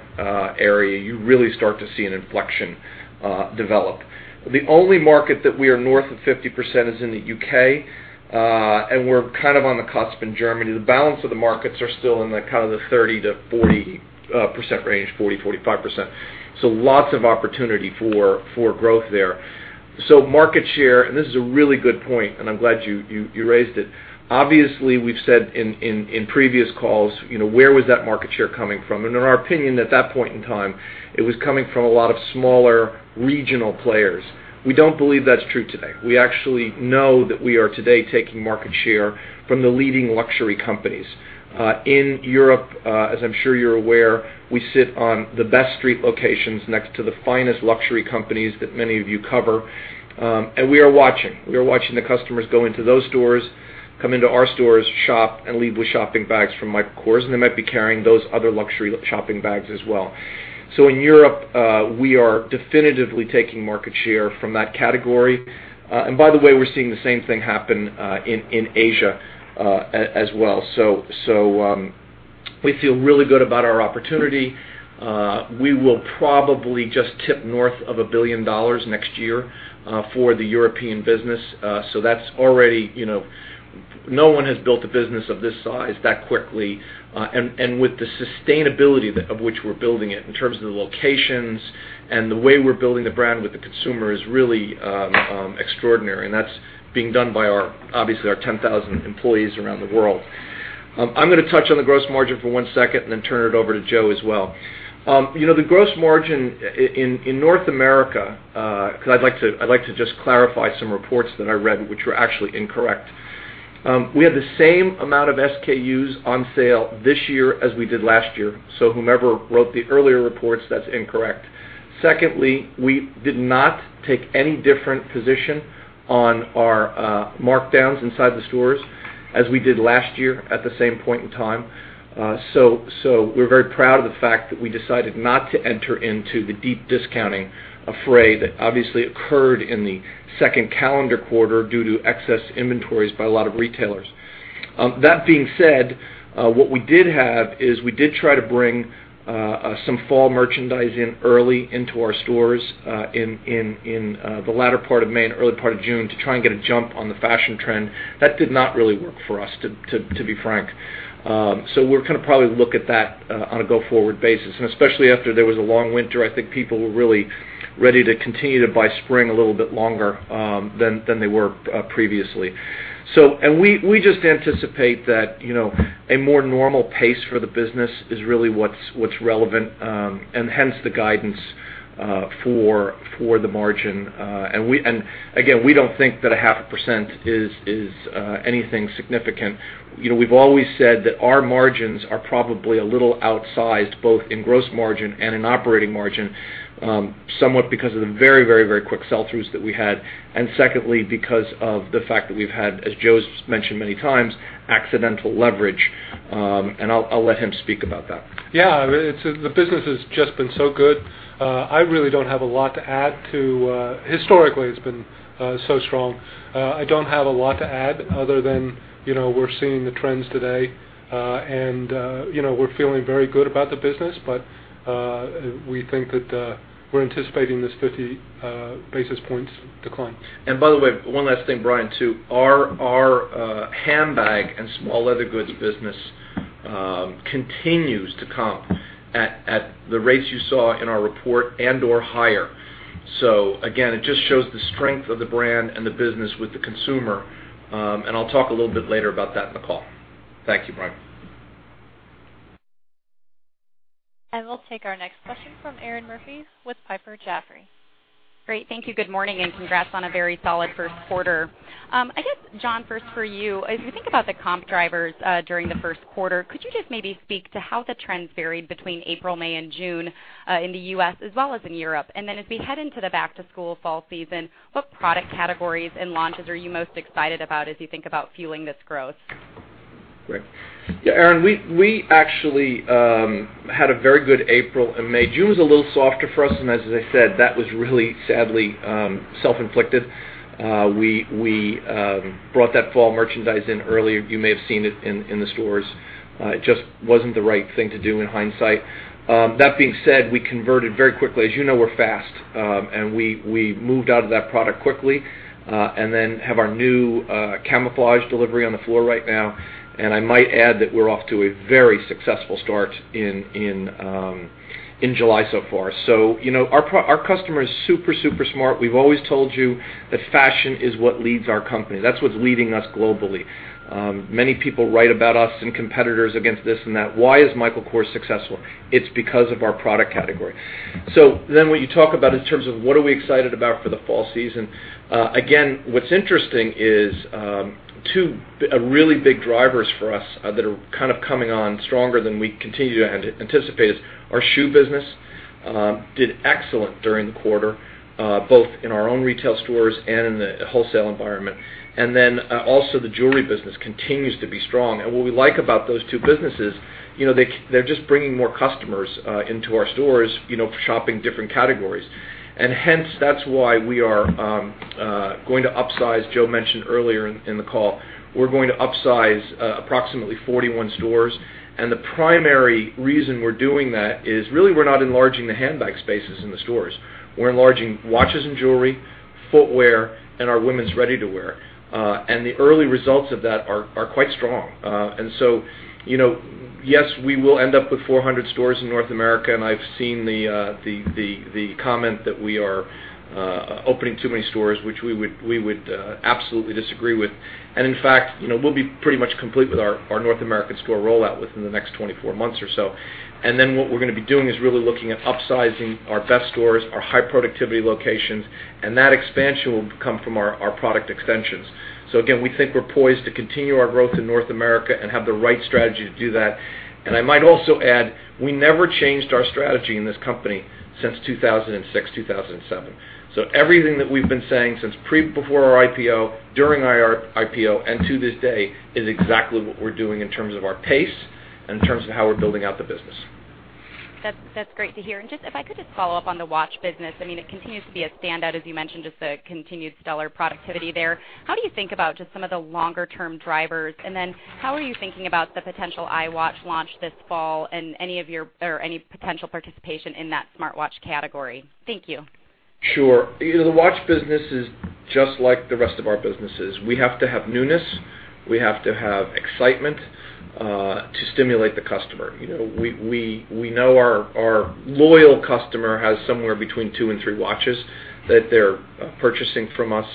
area, you really start to see an inflection develop. The only market that we are north of 50% is in the U.K., and we're kind of on the cusp in Germany. The balance of the markets are still in the kind of the 30%-40% range, 40%, 45%. Lots of opportunity for growth there. Market share, and this is a really good point, and I'm glad you raised it. Obviously, we've said in previous calls, where was that market share coming from? In our opinion, at that point in time, it was coming from a lot of smaller regional players. We don't believe that's true today. We actually know that we are today taking market share from the leading luxury companies. In Europe, as I'm sure you're aware, we sit on the best street locations next to the finest luxury companies that many of you cover. We are watching. We are watching the customers go into those stores, come into our stores, shop, and leave with shopping bags from Michael Kors, and they might be carrying those other luxury shopping bags as well. In Europe, we are definitively taking market share from that category. By the way, we're seeing the same thing happen in Asia as well. We feel really good about our opportunity. We will probably just tip north of $1 billion next year for the European business. No one has built a business of this size that quickly. With the sustainability of which we're building it in terms of the locations and the way we're building the brand with the consumer is really extraordinary. That's being done by, obviously, our 10,000 employees around the world. I'm going to touch on the gross margin for one second and then turn it over to Joe as well. The gross margin in North America, because I'd like to just clarify some reports that I read, which were actually incorrect. We had the same amount of SKUs on sale this year as we did last year. Whomever wrote the earlier reports, that's incorrect. Secondly, we did not take any different position on our markdowns inside the stores as we did last year at the same point in time. We're very proud of the fact that we decided not to enter into the deep discounting affray that obviously occurred in the second calendar quarter due to excess inventories by a lot of retailers. That being said, what we did have is we did try to bring some fall merchandise in early into our stores in the latter part of May and early part of June to try and get a jump on the fashion trend. That did not really work for us, to be frank. We're going to probably look at that on a go-forward basis. Especially after there was a long winter, I think people were really ready to continue to buy spring a little bit longer than they were previously. We just anticipate that a more normal pace for the business is really what's relevant, and hence the guidance for the margin. Again, we don't think that a half a % is anything significant. We've always said that our margins are probably a little outsized, both in gross margin and in operating margin, somewhat because of the very quick sell-throughs that we had, and secondly, because of the fact that we've had, as Joe's mentioned many times, accidental leverage. I'll let him speak about that. Yeah. The business has just been so good. I really don't have a lot to add. Historically, it's been so strong. I don't have a lot to add other than we're seeing the trends today. We're feeling very good about the business, we think that we're anticipating this 50 basis points decline. By the way, one last thing, Brian, too. Our handbag and small leather goods business continues to comp at the rates you saw in our report and/or higher. Again, it just shows the strength of the brand and the business with the consumer. I'll talk a little bit later about that in the call. Thank you, Brian. We'll take our next question from Erinn Murphy with Piper Jaffray. Great. Thank you. Good morning, congrats on a very solid first quarter. I guess, John, first for you, as you think about the comp drivers during the first quarter, could you just maybe speak to how the trends varied between April, May, and June in the U.S. as well as in Europe? As we head into the back-to-school fall season, what product categories and launches are you most excited about as you think about fueling this growth? Great. Erinn, we actually had a very good April and May. June was a little softer for us, and as I said, that was really sadly self-inflicted. We brought that fall merchandise in early. You may have seen it in the stores. It just wasn't the right thing to do in hindsight. That being said, we converted very quickly. As you know, we're fast. We moved out of that product quickly. Then have our new camouflage delivery on the floor right now. I might add that we're off to a very successful start in July so far. Our customer is super smart. We've always told you that fashion is what leads our company. That's what's leading us globally. Many people write about us and competitors against this and that. Why is Michael Kors successful? It's because of our product category. When you talk about in terms of what are we excited about for the fall season, again, what's interesting is two really big drivers for us that are kind of coming on stronger than we continue to anticipate is our shoe business did excellent during the quarter, both in our own retail stores and in the wholesale environment. Then also the jewelry business continues to be strong. What we like about those two businesses, they're just bringing more customers into our stores for shopping different categories. Hence, that's why we are going to upsize. Joe mentioned earlier in the call. We're going to upsize approximately 41 stores. The primary reason we're doing that is really we're not enlarging the handbag spaces in the stores. We're enlarging watches and jewelry, footwear, and our women's ready-to-wear. The early results of that are quite strong. Yes, we will end up with 400 stores in North America, and I've seen the comment that we are opening too many stores, which we would absolutely disagree with. In fact, we'll be pretty much complete with our North American store rollout within the next 24 months or so. Then what we're going to be doing is really looking at upsizing our best stores, our high-productivity locations, and that expansion will come from our product extensions. Again, we think we're poised to continue our growth in North America and have the right strategy to do that. I might also add, we never changed our strategy in this company Since 2006, 2007. Everything that we've been saying since before our IPO, during our IPO, and to this day, is exactly what we're doing in terms of our pace, and in terms of how we're building out the business. That's great to hear. If I could just follow up on the watch business. It continues to be a standout, as you mentioned, just the continued stellar productivity there. How do you think about just some of the longer-term drivers? How are you thinking about the potential iWatch launch this fall, and any potential participation in that smartwatch category? Thank you. Sure. The watch business is just like the rest of our businesses. We have to have newness. We have to have excitement to stimulate the customer. We know our loyal customer has somewhere between two and three watches that they're purchasing from us.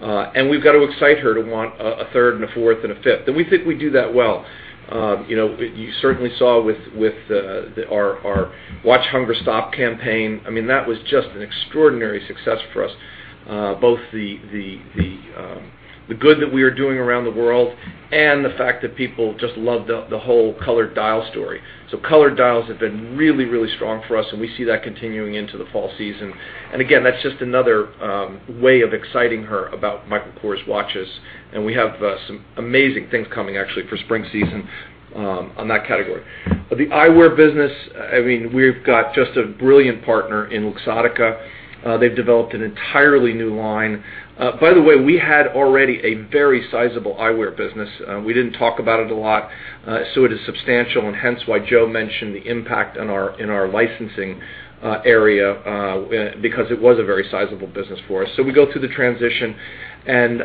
We've got to excite her to want a third and a fourth and a fifth. We think we do that well. You certainly saw with our Watch Hunger Stop campaign. That was just an extraordinary success for us. Both the good that we are doing around the world, and the fact that people just loved the whole colored dial story. Colored dials have been really, really strong for us, and we see that continuing into the fall season. Again, that's just another way of exciting her about Michael Kors watches. We have some amazing things coming, actually, for spring season on that category. The eyewear business, we've got just a brilliant partner in Luxottica. They've developed an entirely new line. By the way, we had already a very sizable eyewear business. We didn't talk about it a lot. It is substantial, and hence why Joe mentioned the impact in our licensing area, because it was a very sizable business for us. We go through the transition, and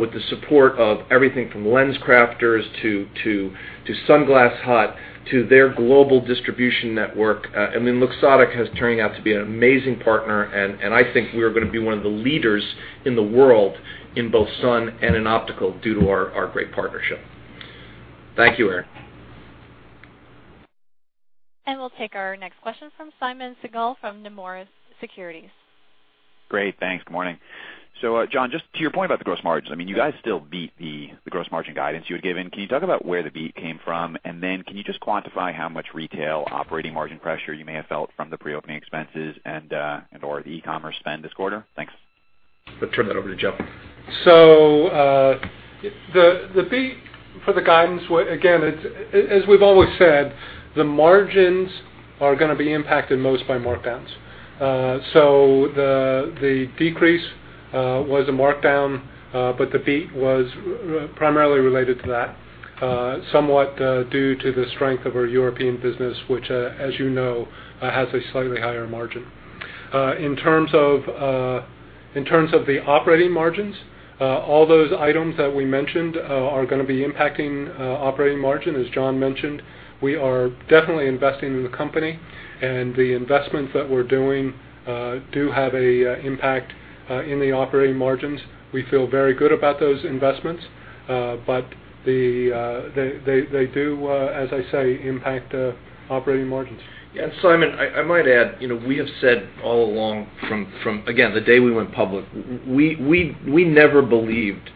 with the support of everything from LensCrafters to Sunglass Hut to their global distribution network, Luxottica has turned out to be an amazing partner, and I think we are going to be one of the leaders in the world in both sun and in optical due to our great partnership. Thank you, Erinn. We'll take our next question from Simeon Siegel from Nomura Securities. Great, thanks. Good morning. John, just to your point about the gross margins, you guys still beat the gross margin guidance you had given. Can you talk about where the beat came from? And then can you just quantify how much retail operating margin pressure you may have felt from the pre-opening expenses and/or the e-commerce spend this quarter? Thanks. I'll turn that over to Joe. The beat for the guidance, again, as we've always said, the margins are going to be impacted most by markdowns. The decrease was a markdown, but the beat was primarily related to that. Somewhat due to the strength of our European business, which, as you know, has a slightly higher margin. In terms of the operating margins, all those items that we mentioned are going to be impacting operating margin, as John mentioned. We are definitely investing in the company, and the investments that we're doing do have an impact in the operating margins. We feel very good about those investments. They do, as I say, impact operating margins. Yeah. Simeon, I might add, we have said all along from, again, the day we went public, we never believed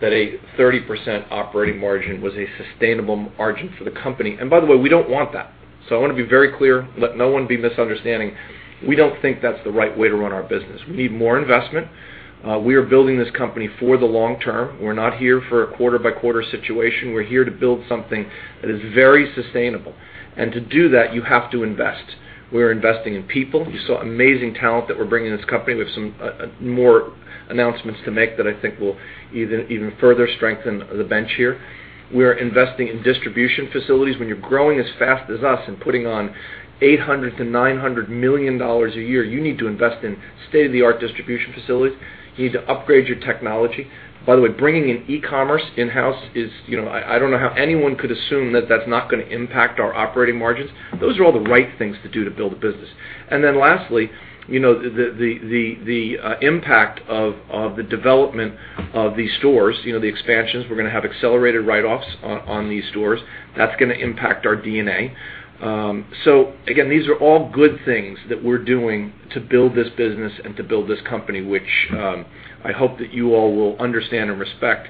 that a 30% operating margin was a sustainable margin for the company. By the way, we don't want that. I want to be very clear, let no one be misunderstanding. We don't think that's the right way to run our business. We need more investment. We are building this company for the long term. We're not here for a quarter-by-quarter situation. We're here to build something that is very sustainable. To do that, you have to invest. We're investing in people. You saw amazing talent that we're bringing to this company, with some more announcements to make that I think will even further strengthen the bench here. We are investing in distribution facilities. When you're growing as fast as us and putting on $800 million to $900 million a year, you need to invest in state-of-the-art distribution facilities. You need to upgrade your technology. By the way, bringing in e-commerce in-house is, I don't know how anyone could assume that that's not going to impact our operating margins. Those are all the right things to do to build a business. Lastly, the impact of the development of these stores, the expansions, we're going to have accelerated write-offs on these stores. That's going to impact our D&A. Again, these are all good things that we're doing to build this business and to build this company, which I hope that you all will understand and respect.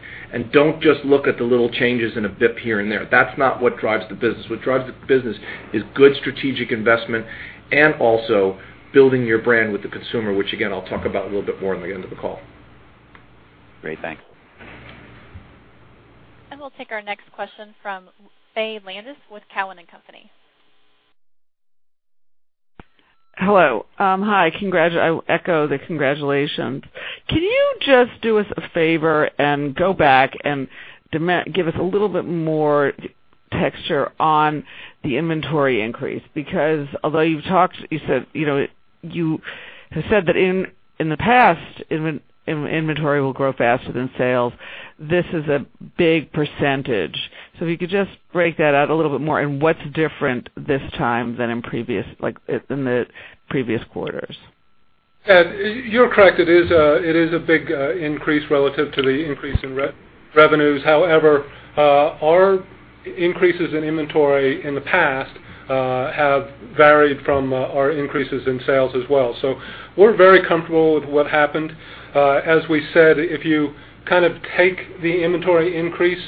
Don't just look at the little changes and a BPS here and there. That's not what drives the business. What drives the business is good strategic investment and also building your brand with the consumer, which again, I'll talk about a little bit more in the end of the call. Great. Thanks. We'll take our next question from Faye Landes with Cowen and Company. Hello. Hi. I echo the congratulations. Can you just do us a favor and go back and give us a little bit more texture on the inventory increase? Although you have said that in the past, inventory will grow faster than sales, this is a big percentage. If you could just break that out a little bit more, and what's different this time than in the previous quarters? You're correct. It is a big increase relative to the increase in revenues. However, our increases in inventory in the past have varied from our increases in sales as well. We're very comfortable with what happened. As we said, if you take the inventory increase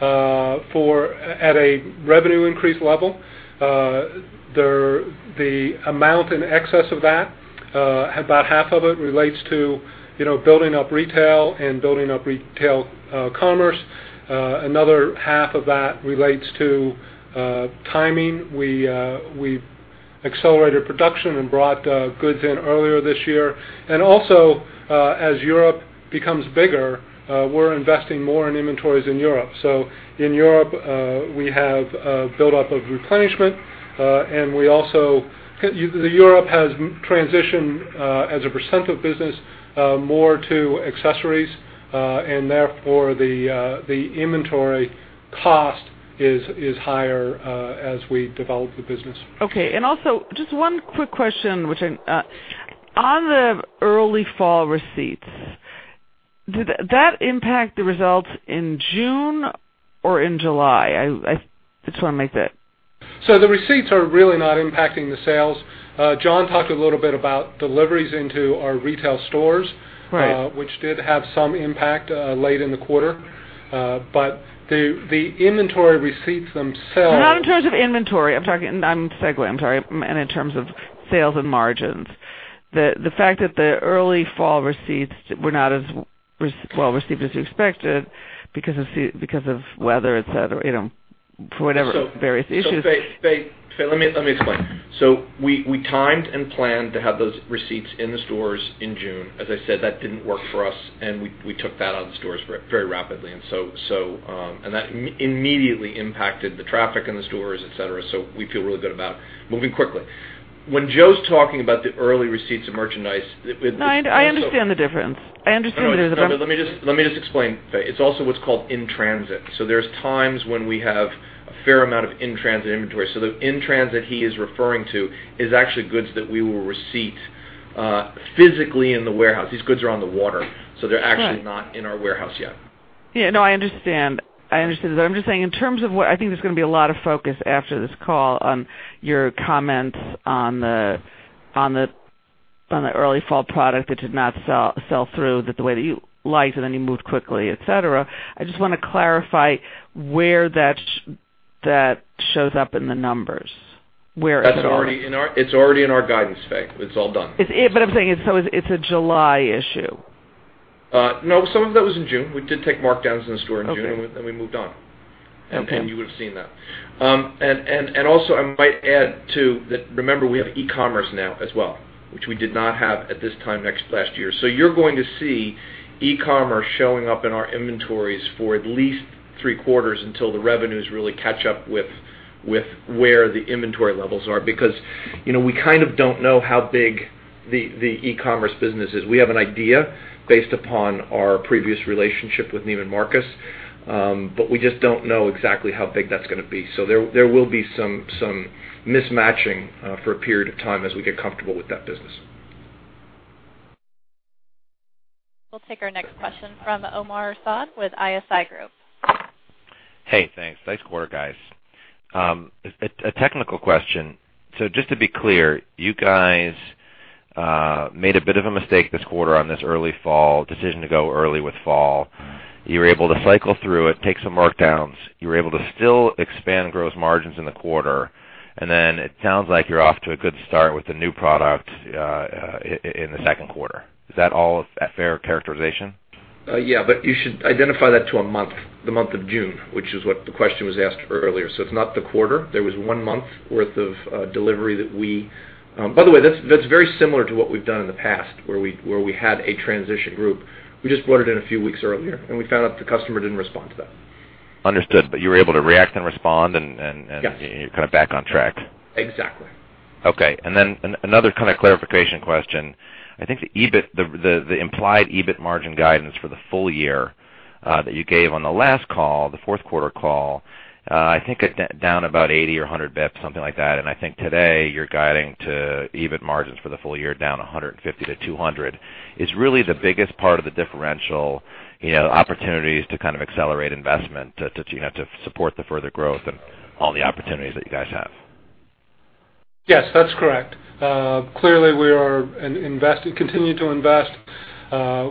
at a revenue increase level, the amount in excess of that, about half of it relates to building up retail and building up retail commerce. Another half of that relates to timing. We accelerated production and brought goods in earlier this year. Also, as Europe becomes bigger, we're investing more in inventories in Europe. In Europe, we have a buildup of replenishment, and Europe has transitioned, as a % of business, more to accessories, and therefore the inventory cost is higher as we develop the business. Okay. Also, just one quick question. On the early fall receipts, did that impact the results in June or in July? The receipts are really not impacting the sales. John talked a little bit about deliveries into our retail stores. Right which did have some impact late in the quarter. The inventory receipts themselves. Not in terms of inventory. I'm segueing, I'm sorry, in terms of sales and margins. The fact that the early fall receipts were not as well received as you expected because of weather, et cetera, for whatever various issues. Faye, let me explain. We timed and planned to have those receipts in the stores in June. As I said, that didn't work for us, and we took that out of the stores very rapidly. That immediately impacted the traffic in the stores, et cetera. We feel really good about moving quickly. When Joe's talking about the early receipts of merchandise, it. No, I understand the difference. I understand there's a. No, let me just explain, Faye. It's also what's called in transit. There's times when we have a fair amount of in-transit inventory. The in transit he is referring to is actually goods that we will receipt physically in the warehouse. These goods are on the water, so they're actually not in our warehouse yet. Yeah, no, I understand. I'm just saying, in terms of what I think there's going to be a lot of focus after this call on your comments on the early fall product that did not sell through the way that you liked, and then you moved quickly, et cetera. I just want to clarify where that shows up in the numbers. Where it is. It's already in our guidance, Faye. It's all done. I'm saying, it's a July issue? No, some of that was in June. We did take markdowns in the store in June, we moved on. Okay. You would've seen that. Also, I might add too, that remember, we have e-commerce now as well, which we did not have at this time next last year. You're going to see e-commerce showing up in our inventories for at least three quarters until the revenues really catch up with where the inventory levels are. We kind of don't know how big the e-commerce business is. We have an idea based upon our previous relationship with Neiman Marcus, we just don't know exactly how big that's going to be. There will be some mismatching for a period of time as we get comfortable with that business. We'll take our next question from Omar Saad with ISI Group. Hey, thanks. Nice quarter, guys. A technical question. Just to be clear, you guys made a bit of a mistake this quarter on this early fall decision to go early with fall. You were able to cycle through it, take some markdowns. You were able to still expand gross margins in the quarter, it sounds like you're off to a good start with the new product in the second quarter. Is that all a fair characterization? You should identify that to a month, the month of June, which is what the question was asked earlier. It's not the quarter. There was one month worth of delivery that we By the way, that's very similar to what we've done in the past where we had a transition group. We just brought it in a few weeks earlier, and we found out the customer didn't respond to that. Understood. You were able to react and respond. Yes you're kind of back on track. Exactly. Okay. Another kind of clarification question. I think the implied EBIT margin guidance for the full year that you gave on the last call, the fourth quarter call, I think down about 80 or 100 basis points, something like that. I think today you're guiding to EBIT margins for the full year down 150-200 basis points. Is really the biggest part of the differential opportunities to kind of accelerate investment to support the further growth and all the opportunities that you guys have? Yes, that's correct. Clearly, we are continuing to invest.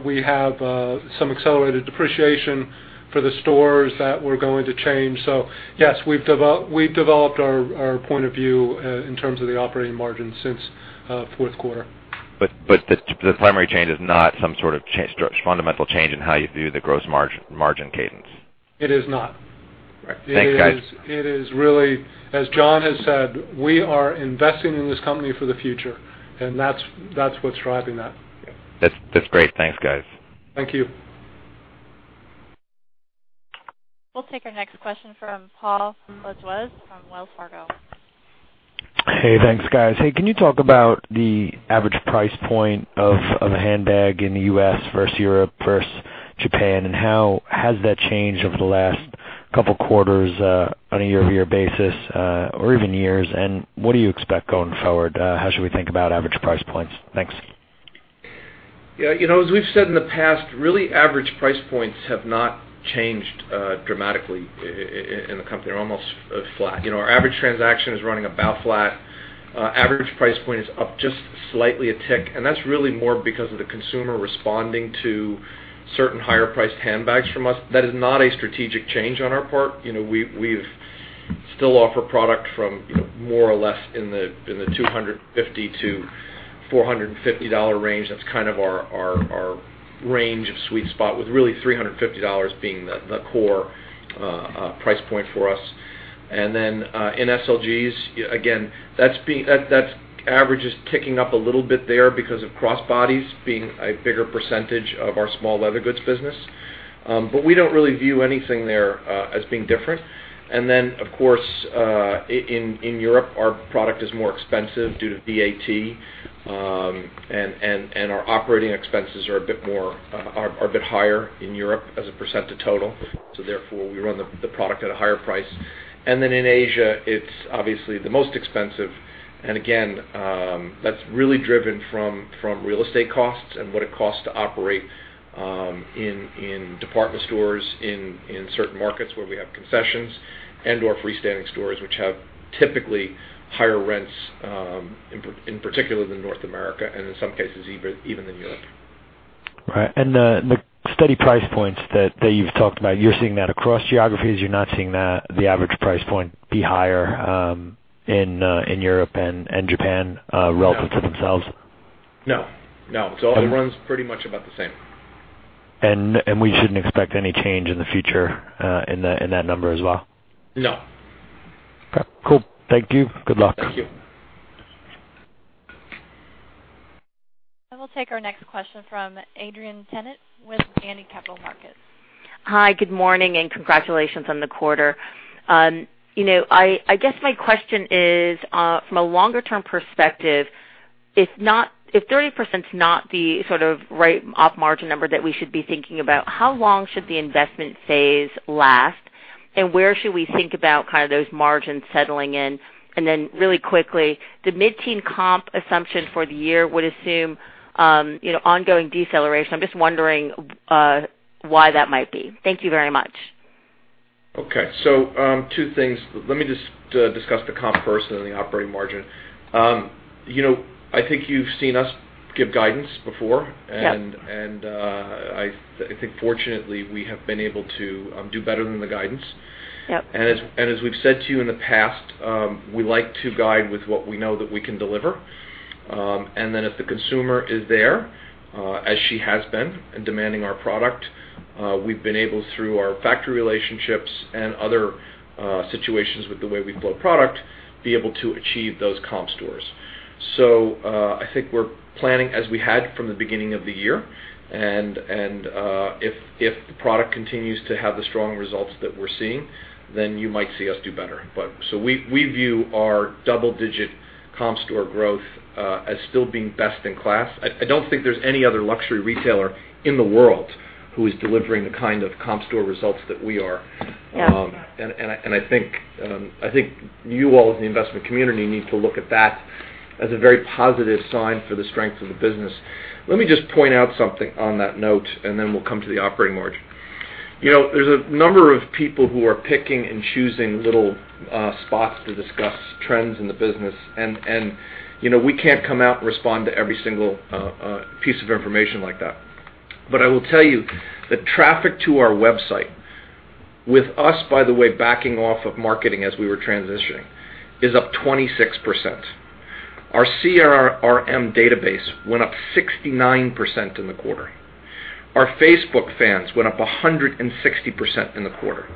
We have some accelerated depreciation for the stores that we're going to change. Yes, we've developed our point of view in terms of the operating margin since fourth quarter. The primary change is not some sort of fundamental change in how you view the gross margin cadence. It is not. Thanks, guys. It is really, as John has said, we are investing in this company for the future. That's what's driving that. That's great. Thanks, guys. Thank you. We'll take our next question from Paul Lejuez from Wells Fargo. Hey, thanks, guys. Hey, can you talk about the average price point of a handbag in the U.S. versus Europe versus Japan, and how has that changed over the last couple of quarters on a year-over-year basis, or even years, and what do you expect going forward? How should we think about average price points? Thanks. Yeah. As we've said in the past, really average price points have not changed dramatically. In the company are almost flat. Our average transaction is running about flat. Average price point is up just slightly a tick, and that's really more because of the consumer responding to certain higher priced handbags from us. That is not a strategic change on our part. We still offer product from more or less in the $250-$450 range. That's kind of our range of sweet spot with really $350 being the core price point for us. In SLGs, again, that average is ticking up a little bit there because of crossbodies being a bigger percentage of our small leather goods business. We don't really view anything there as being different. Of course, in Europe, our product is more expensive due to VAT. Our operating expenses are a bit higher in Europe as a percent of total. Therefore, we run the product at a higher price. In Asia, it's obviously the most expensive. Again, that's really driven from real estate costs and what it costs to operate in department stores, in certain markets where we have concessions and/or freestanding stores, which have typically higher rents, in particular than North America, and in some cases, even than Europe. Right. The steady price points that you've talked about, you're seeing that across geographies. You're not seeing the average price point be higher in Europe and Japan relative to themselves. No. It runs pretty much about the same. We shouldn't expect any change in the future in that number as well. No. Okay, cool. Thank you. Good luck. Thank you. I will take our next question from Adrienne Tennant with Janney Capital Markets. Hi, good morning. Congratulations on the quarter. I guess my question is, from a longer term perspective, if 30% is not the sort of right op margin number that we should be thinking about, how long should the investment phase last? Where should we think about those margins settling in? Really quickly, the mid-teen comp assumption for the year would assume ongoing deceleration. I'm just wondering why that might be. Thank you very much. Okay. Two things. Let me just discuss the comp first and the operating margin. I think you've seen us give guidance before. Yeah. I think fortunately, we have been able to do better than the guidance. Yep. As we've said to you in the past, we like to guide with what we know that we can deliver. If the consumer is there, as she has been in demanding our product, we've been able, through our factory relationships and other situations with the way we flow product, be able to achieve those comp stores. I think we're planning as we had from the beginning of the year. If the product continues to have the strong results that we're seeing, you might see us do better. We view our double-digit comp store growth as still being best in class. I don't think there's any other luxury retailer in the world who is delivering the kind of comp store results that we are. Yeah. I think you all in the investment community need to look at that as a very positive sign for the strength of the business. Let me just point out something on that note. Then we'll come to the operating margin. There's a number of people who are picking and choosing little spots to discuss trends in the business. We can't come out and respond to every single piece of information like that. I will tell you that traffic to our website with us, by the way, backing off of marketing as we were transitioning, is up 26%. Our CRM database went up 69% in the quarter. Our Facebook fans went up 160% in the quarter.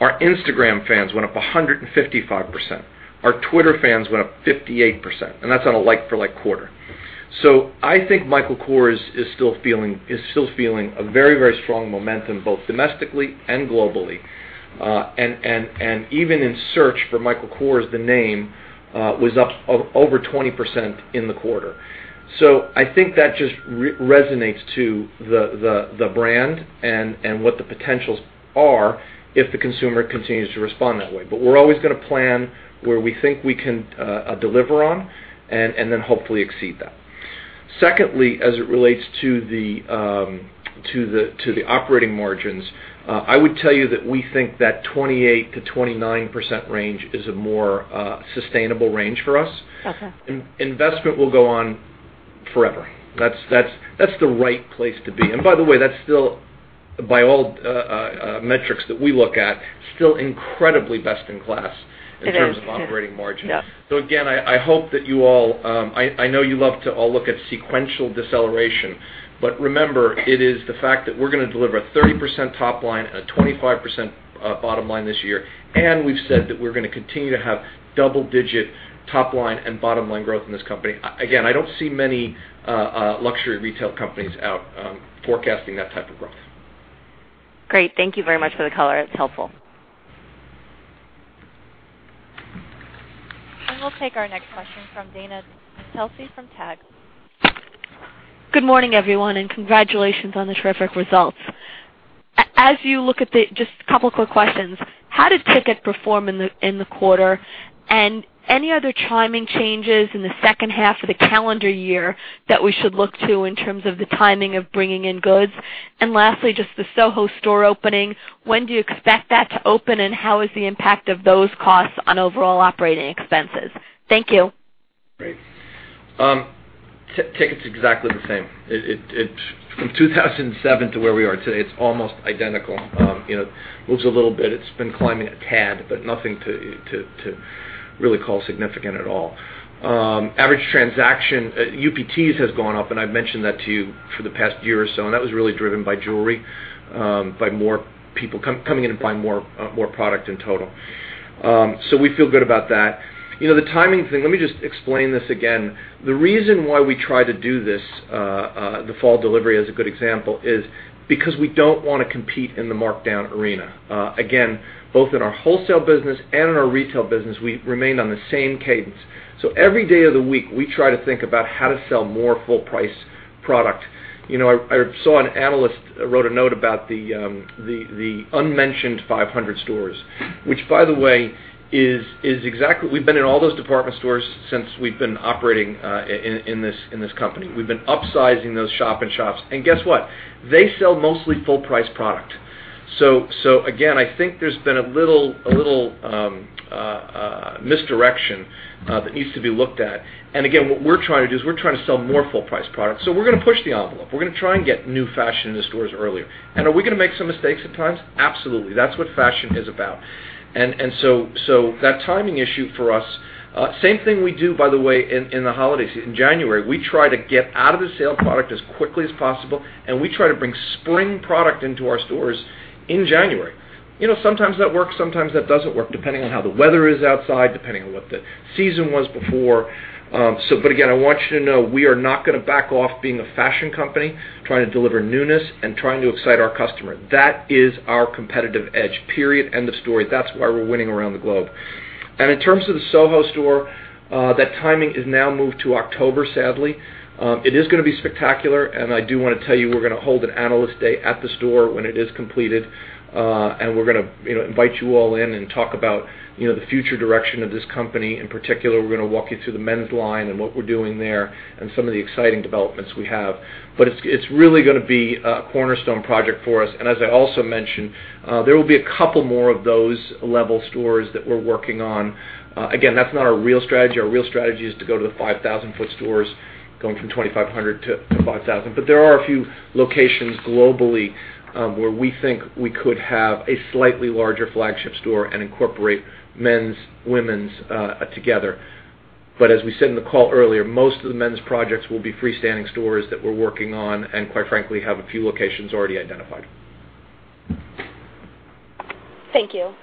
Our Instagram fans went up 155%. Our Twitter fans went up 58%, and that's on a like for like quarter. I think Michael Kors is still feeling a very strong momentum both domestically and globally. Even in search for Michael Kors, the name, was up over 20% in the quarter. I think that just resonates to the brand and what the potentials are if the consumer continues to respond that way. We're always going to plan where we think we can deliver on. Then hopefully exceed that. Secondly, as it relates to the operating margins, I would tell you that we think that 28%-29% range is a more sustainable range for us. Okay. Investment will go on forever. That's the right place to be. By the way, that's still by all metrics that we look at, still incredibly best in class in terms of operating margin. Yeah. Again, I hope that you all. I know you love to look at sequential deceleration. Remember, it is the fact that we're going to deliver a 30% top line and a 25% bottom line this year, we've said that we're going to continue to have double digit top line and bottom line growth in this company. I don't see many luxury retail companies out forecasting that type of growth. Great. Thank you very much for the color. It's helpful. We'll take our next question from Dana Telsey from TAG. Good morning, everyone. Congratulations on the terrific results. Just a couple quick questions. How did ticket perform in the quarter? Any other timing changes in the second half of the calendar year that we should look to in terms of the timing of bringing in goods? Lastly, just the Soho store opening. When do you expect that to open, and how is the impact of those costs on overall operating expenses? Thank you. Great. Ticket's exactly the same. From 2007 to where we are today, it's almost identical. It moves a little bit. It's been climbing a tad, but nothing to really call significant at all. Average transaction UPTs has gone up, and I've mentioned that to you for the past year or so, and that was really driven by jewelry, by more people coming in to buy more product in total. We feel good about that. The timing thing, let me just explain this again. The reason why we try to do this, the fall delivery as a good example, is because we don't want to compete in the markdown arena. Both in our wholesale business and in our retail business, we remain on the same cadence. Every day of the week, we try to think about how to sell more full price product. I saw an analyst wrote a note about the unmentioned 500 stores, which by the way we've been in all those department stores since we've been operating in this company. We've been upsizing those shop in shops. Guess what? They sell mostly full price product. I think there's been a little misdirection that needs to be looked at. What we're trying to do is we're trying to sell more full price products. We're going to push the envelope. We're going to try and get new fashion in the stores earlier. Are we going to make some mistakes at times? Absolutely. That's what fashion is about. That timing issue for us, same thing we do, by the way, in the holiday season. In January, we try to get out of the sale product as quickly as possible, and we try to bring spring product into our stores in January. Sometimes that works, sometimes that doesn't work, depending on how the weather is outside, depending on what the season was before. I want you to know we are not going to back off being a fashion company, trying to deliver newness and trying to excite our customer. That is our competitive edge, period, end of story. That's why we're winning around the globe. In terms of the Soho store, that timing is now moved to October, sadly. It is going to be spectacular, and I do want to tell you we're going to hold an analyst day at the store when it is completed. We're going to invite you all in and talk about the future direction of this company. In particular, we're going to walk you through the men's line and what we're doing there and some of the exciting developments we have. It's really going to be a cornerstone project for us. As I also mentioned, there will be a couple more of those level stores that we're working on. That's not our real strategy. Our real strategy is to go to the 5,000 foot stores, going from 2,500 to 5,000. There are a few locations globally where we think we could have a slightly larger flagship store and incorporate men's, women's together. As we said in the call earlier, most of the men's projects will be freestanding stores that we're working on and quite frankly, have a few locations already identified. Thank you.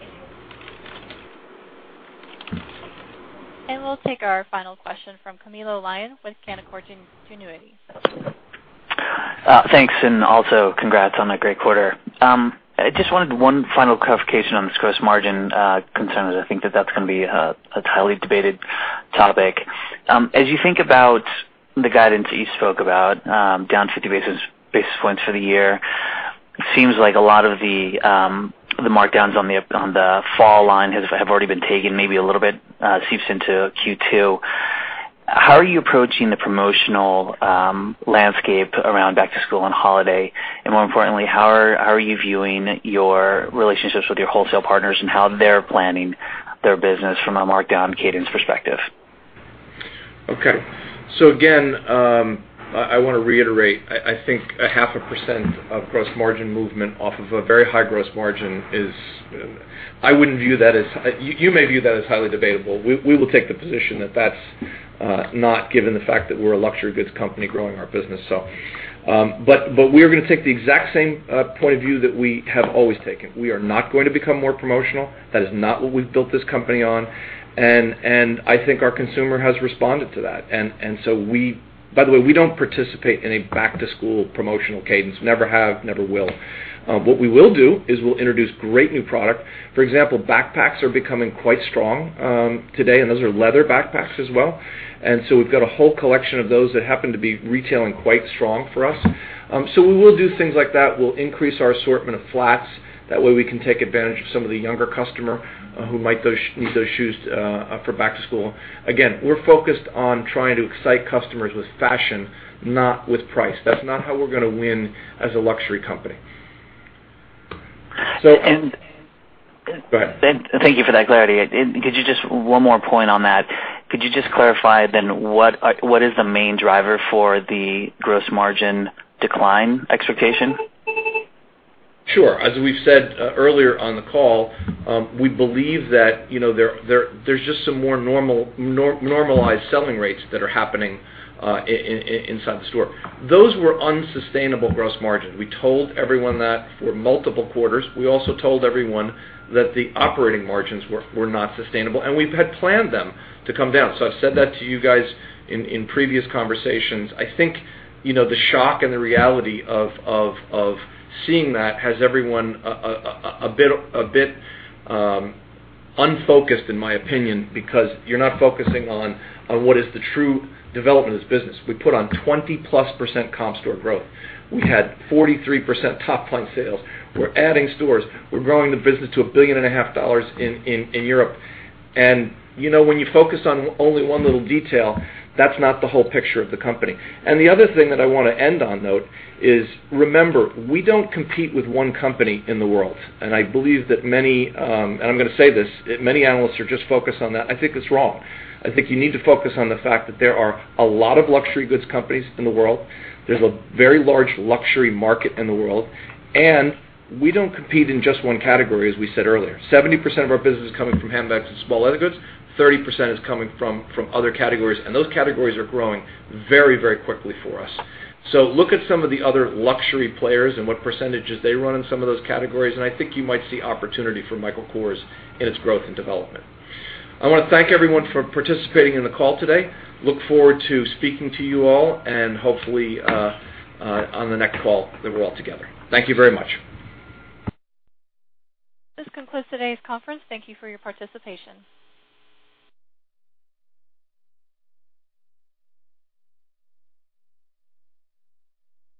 We'll take our final question from Camilo Lyon with Canaccord Genuity. Thanks, also congrats on a great quarter. I just wanted one final clarification on this gross margin concern, as I think that that's going to be a highly debated topic. As you think about the guidance that you spoke about, down 50 basis points for the year, it seems like a lot of the markdowns on the fall line have already been taken, maybe a little bit seeps into Q2. How are you approaching the promotional landscape around back to school and holiday? More importantly, how are you viewing your relationships with your wholesale partners and how they're planning their business from a markdown cadence perspective? Okay. Again, I want to reiterate, I think a half a % of gross margin movement off of a very high gross margin. You may view that as highly debatable. We will take the position that that's not given the fact that we're a luxury goods company growing our business. We are going to take the exact same point of view that we have always taken. We are not going to become more promotional. That is not what we've built this company on. I think our consumer has responded to that. By the way, we don't participate in a back to school promotional cadence. Never have, never will. What we will do is we'll introduce great new product. For example, backpacks are becoming quite strong today, and those are leather backpacks as well. We've got a whole collection of those that happen to be retailing quite strong for us. We will do things like that. We'll increase our assortment of flats. That way we can take advantage of some of the younger customer who might need those shoes for back to school. Again, we're focused on trying to excite customers with fashion, not with price. That's not how we're going to win as a luxury company. And- Go ahead. Thank you for that clarity. One more point on that. Could you just clarify what is the main driver for the gross margin decline expectation? Sure. As we've said earlier on the call, we believe that there's just some more normalized selling rates that are happening inside the store. Those were unsustainable gross margins. We told everyone that for multiple quarters. We also told everyone that the operating margins were not sustainable, and we had planned them to come down. I've said that to you guys in previous conversations. I think the shock and the reality of seeing that has everyone a bit unfocused, in my opinion, because you're not focusing on what is the true development of this business. We put on 20%+ comp store growth. We had 43% top-line sales. We're adding stores. We're growing the business to $1.5 billion in Europe. When you focus on only one little detail, that's not the whole picture of the company. The other thing that I want to end on note is, remember, we don't compete with one company in the world. I believe that many, and I'm going to say this, many analysts are just focused on that. I think it's wrong. I think you need to focus on the fact that there are a lot of luxury goods companies in the world. There's a very large luxury market in the world, and we don't compete in just one category, as we said earlier. 70% of our business is coming from handbags and small leather goods, 30% is coming from other categories, and those categories are growing very quickly for us. Look at some of the other luxury players and what percentages they run in some of those categories, and I think you might see opportunity for Michael Kors in its growth and development. I want to thank everyone for participating in the call today. Look forward to speaking to you all, and hopefully, on the next call, that we're all together. Thank you very much. This concludes today's conference. Thank you for your participation.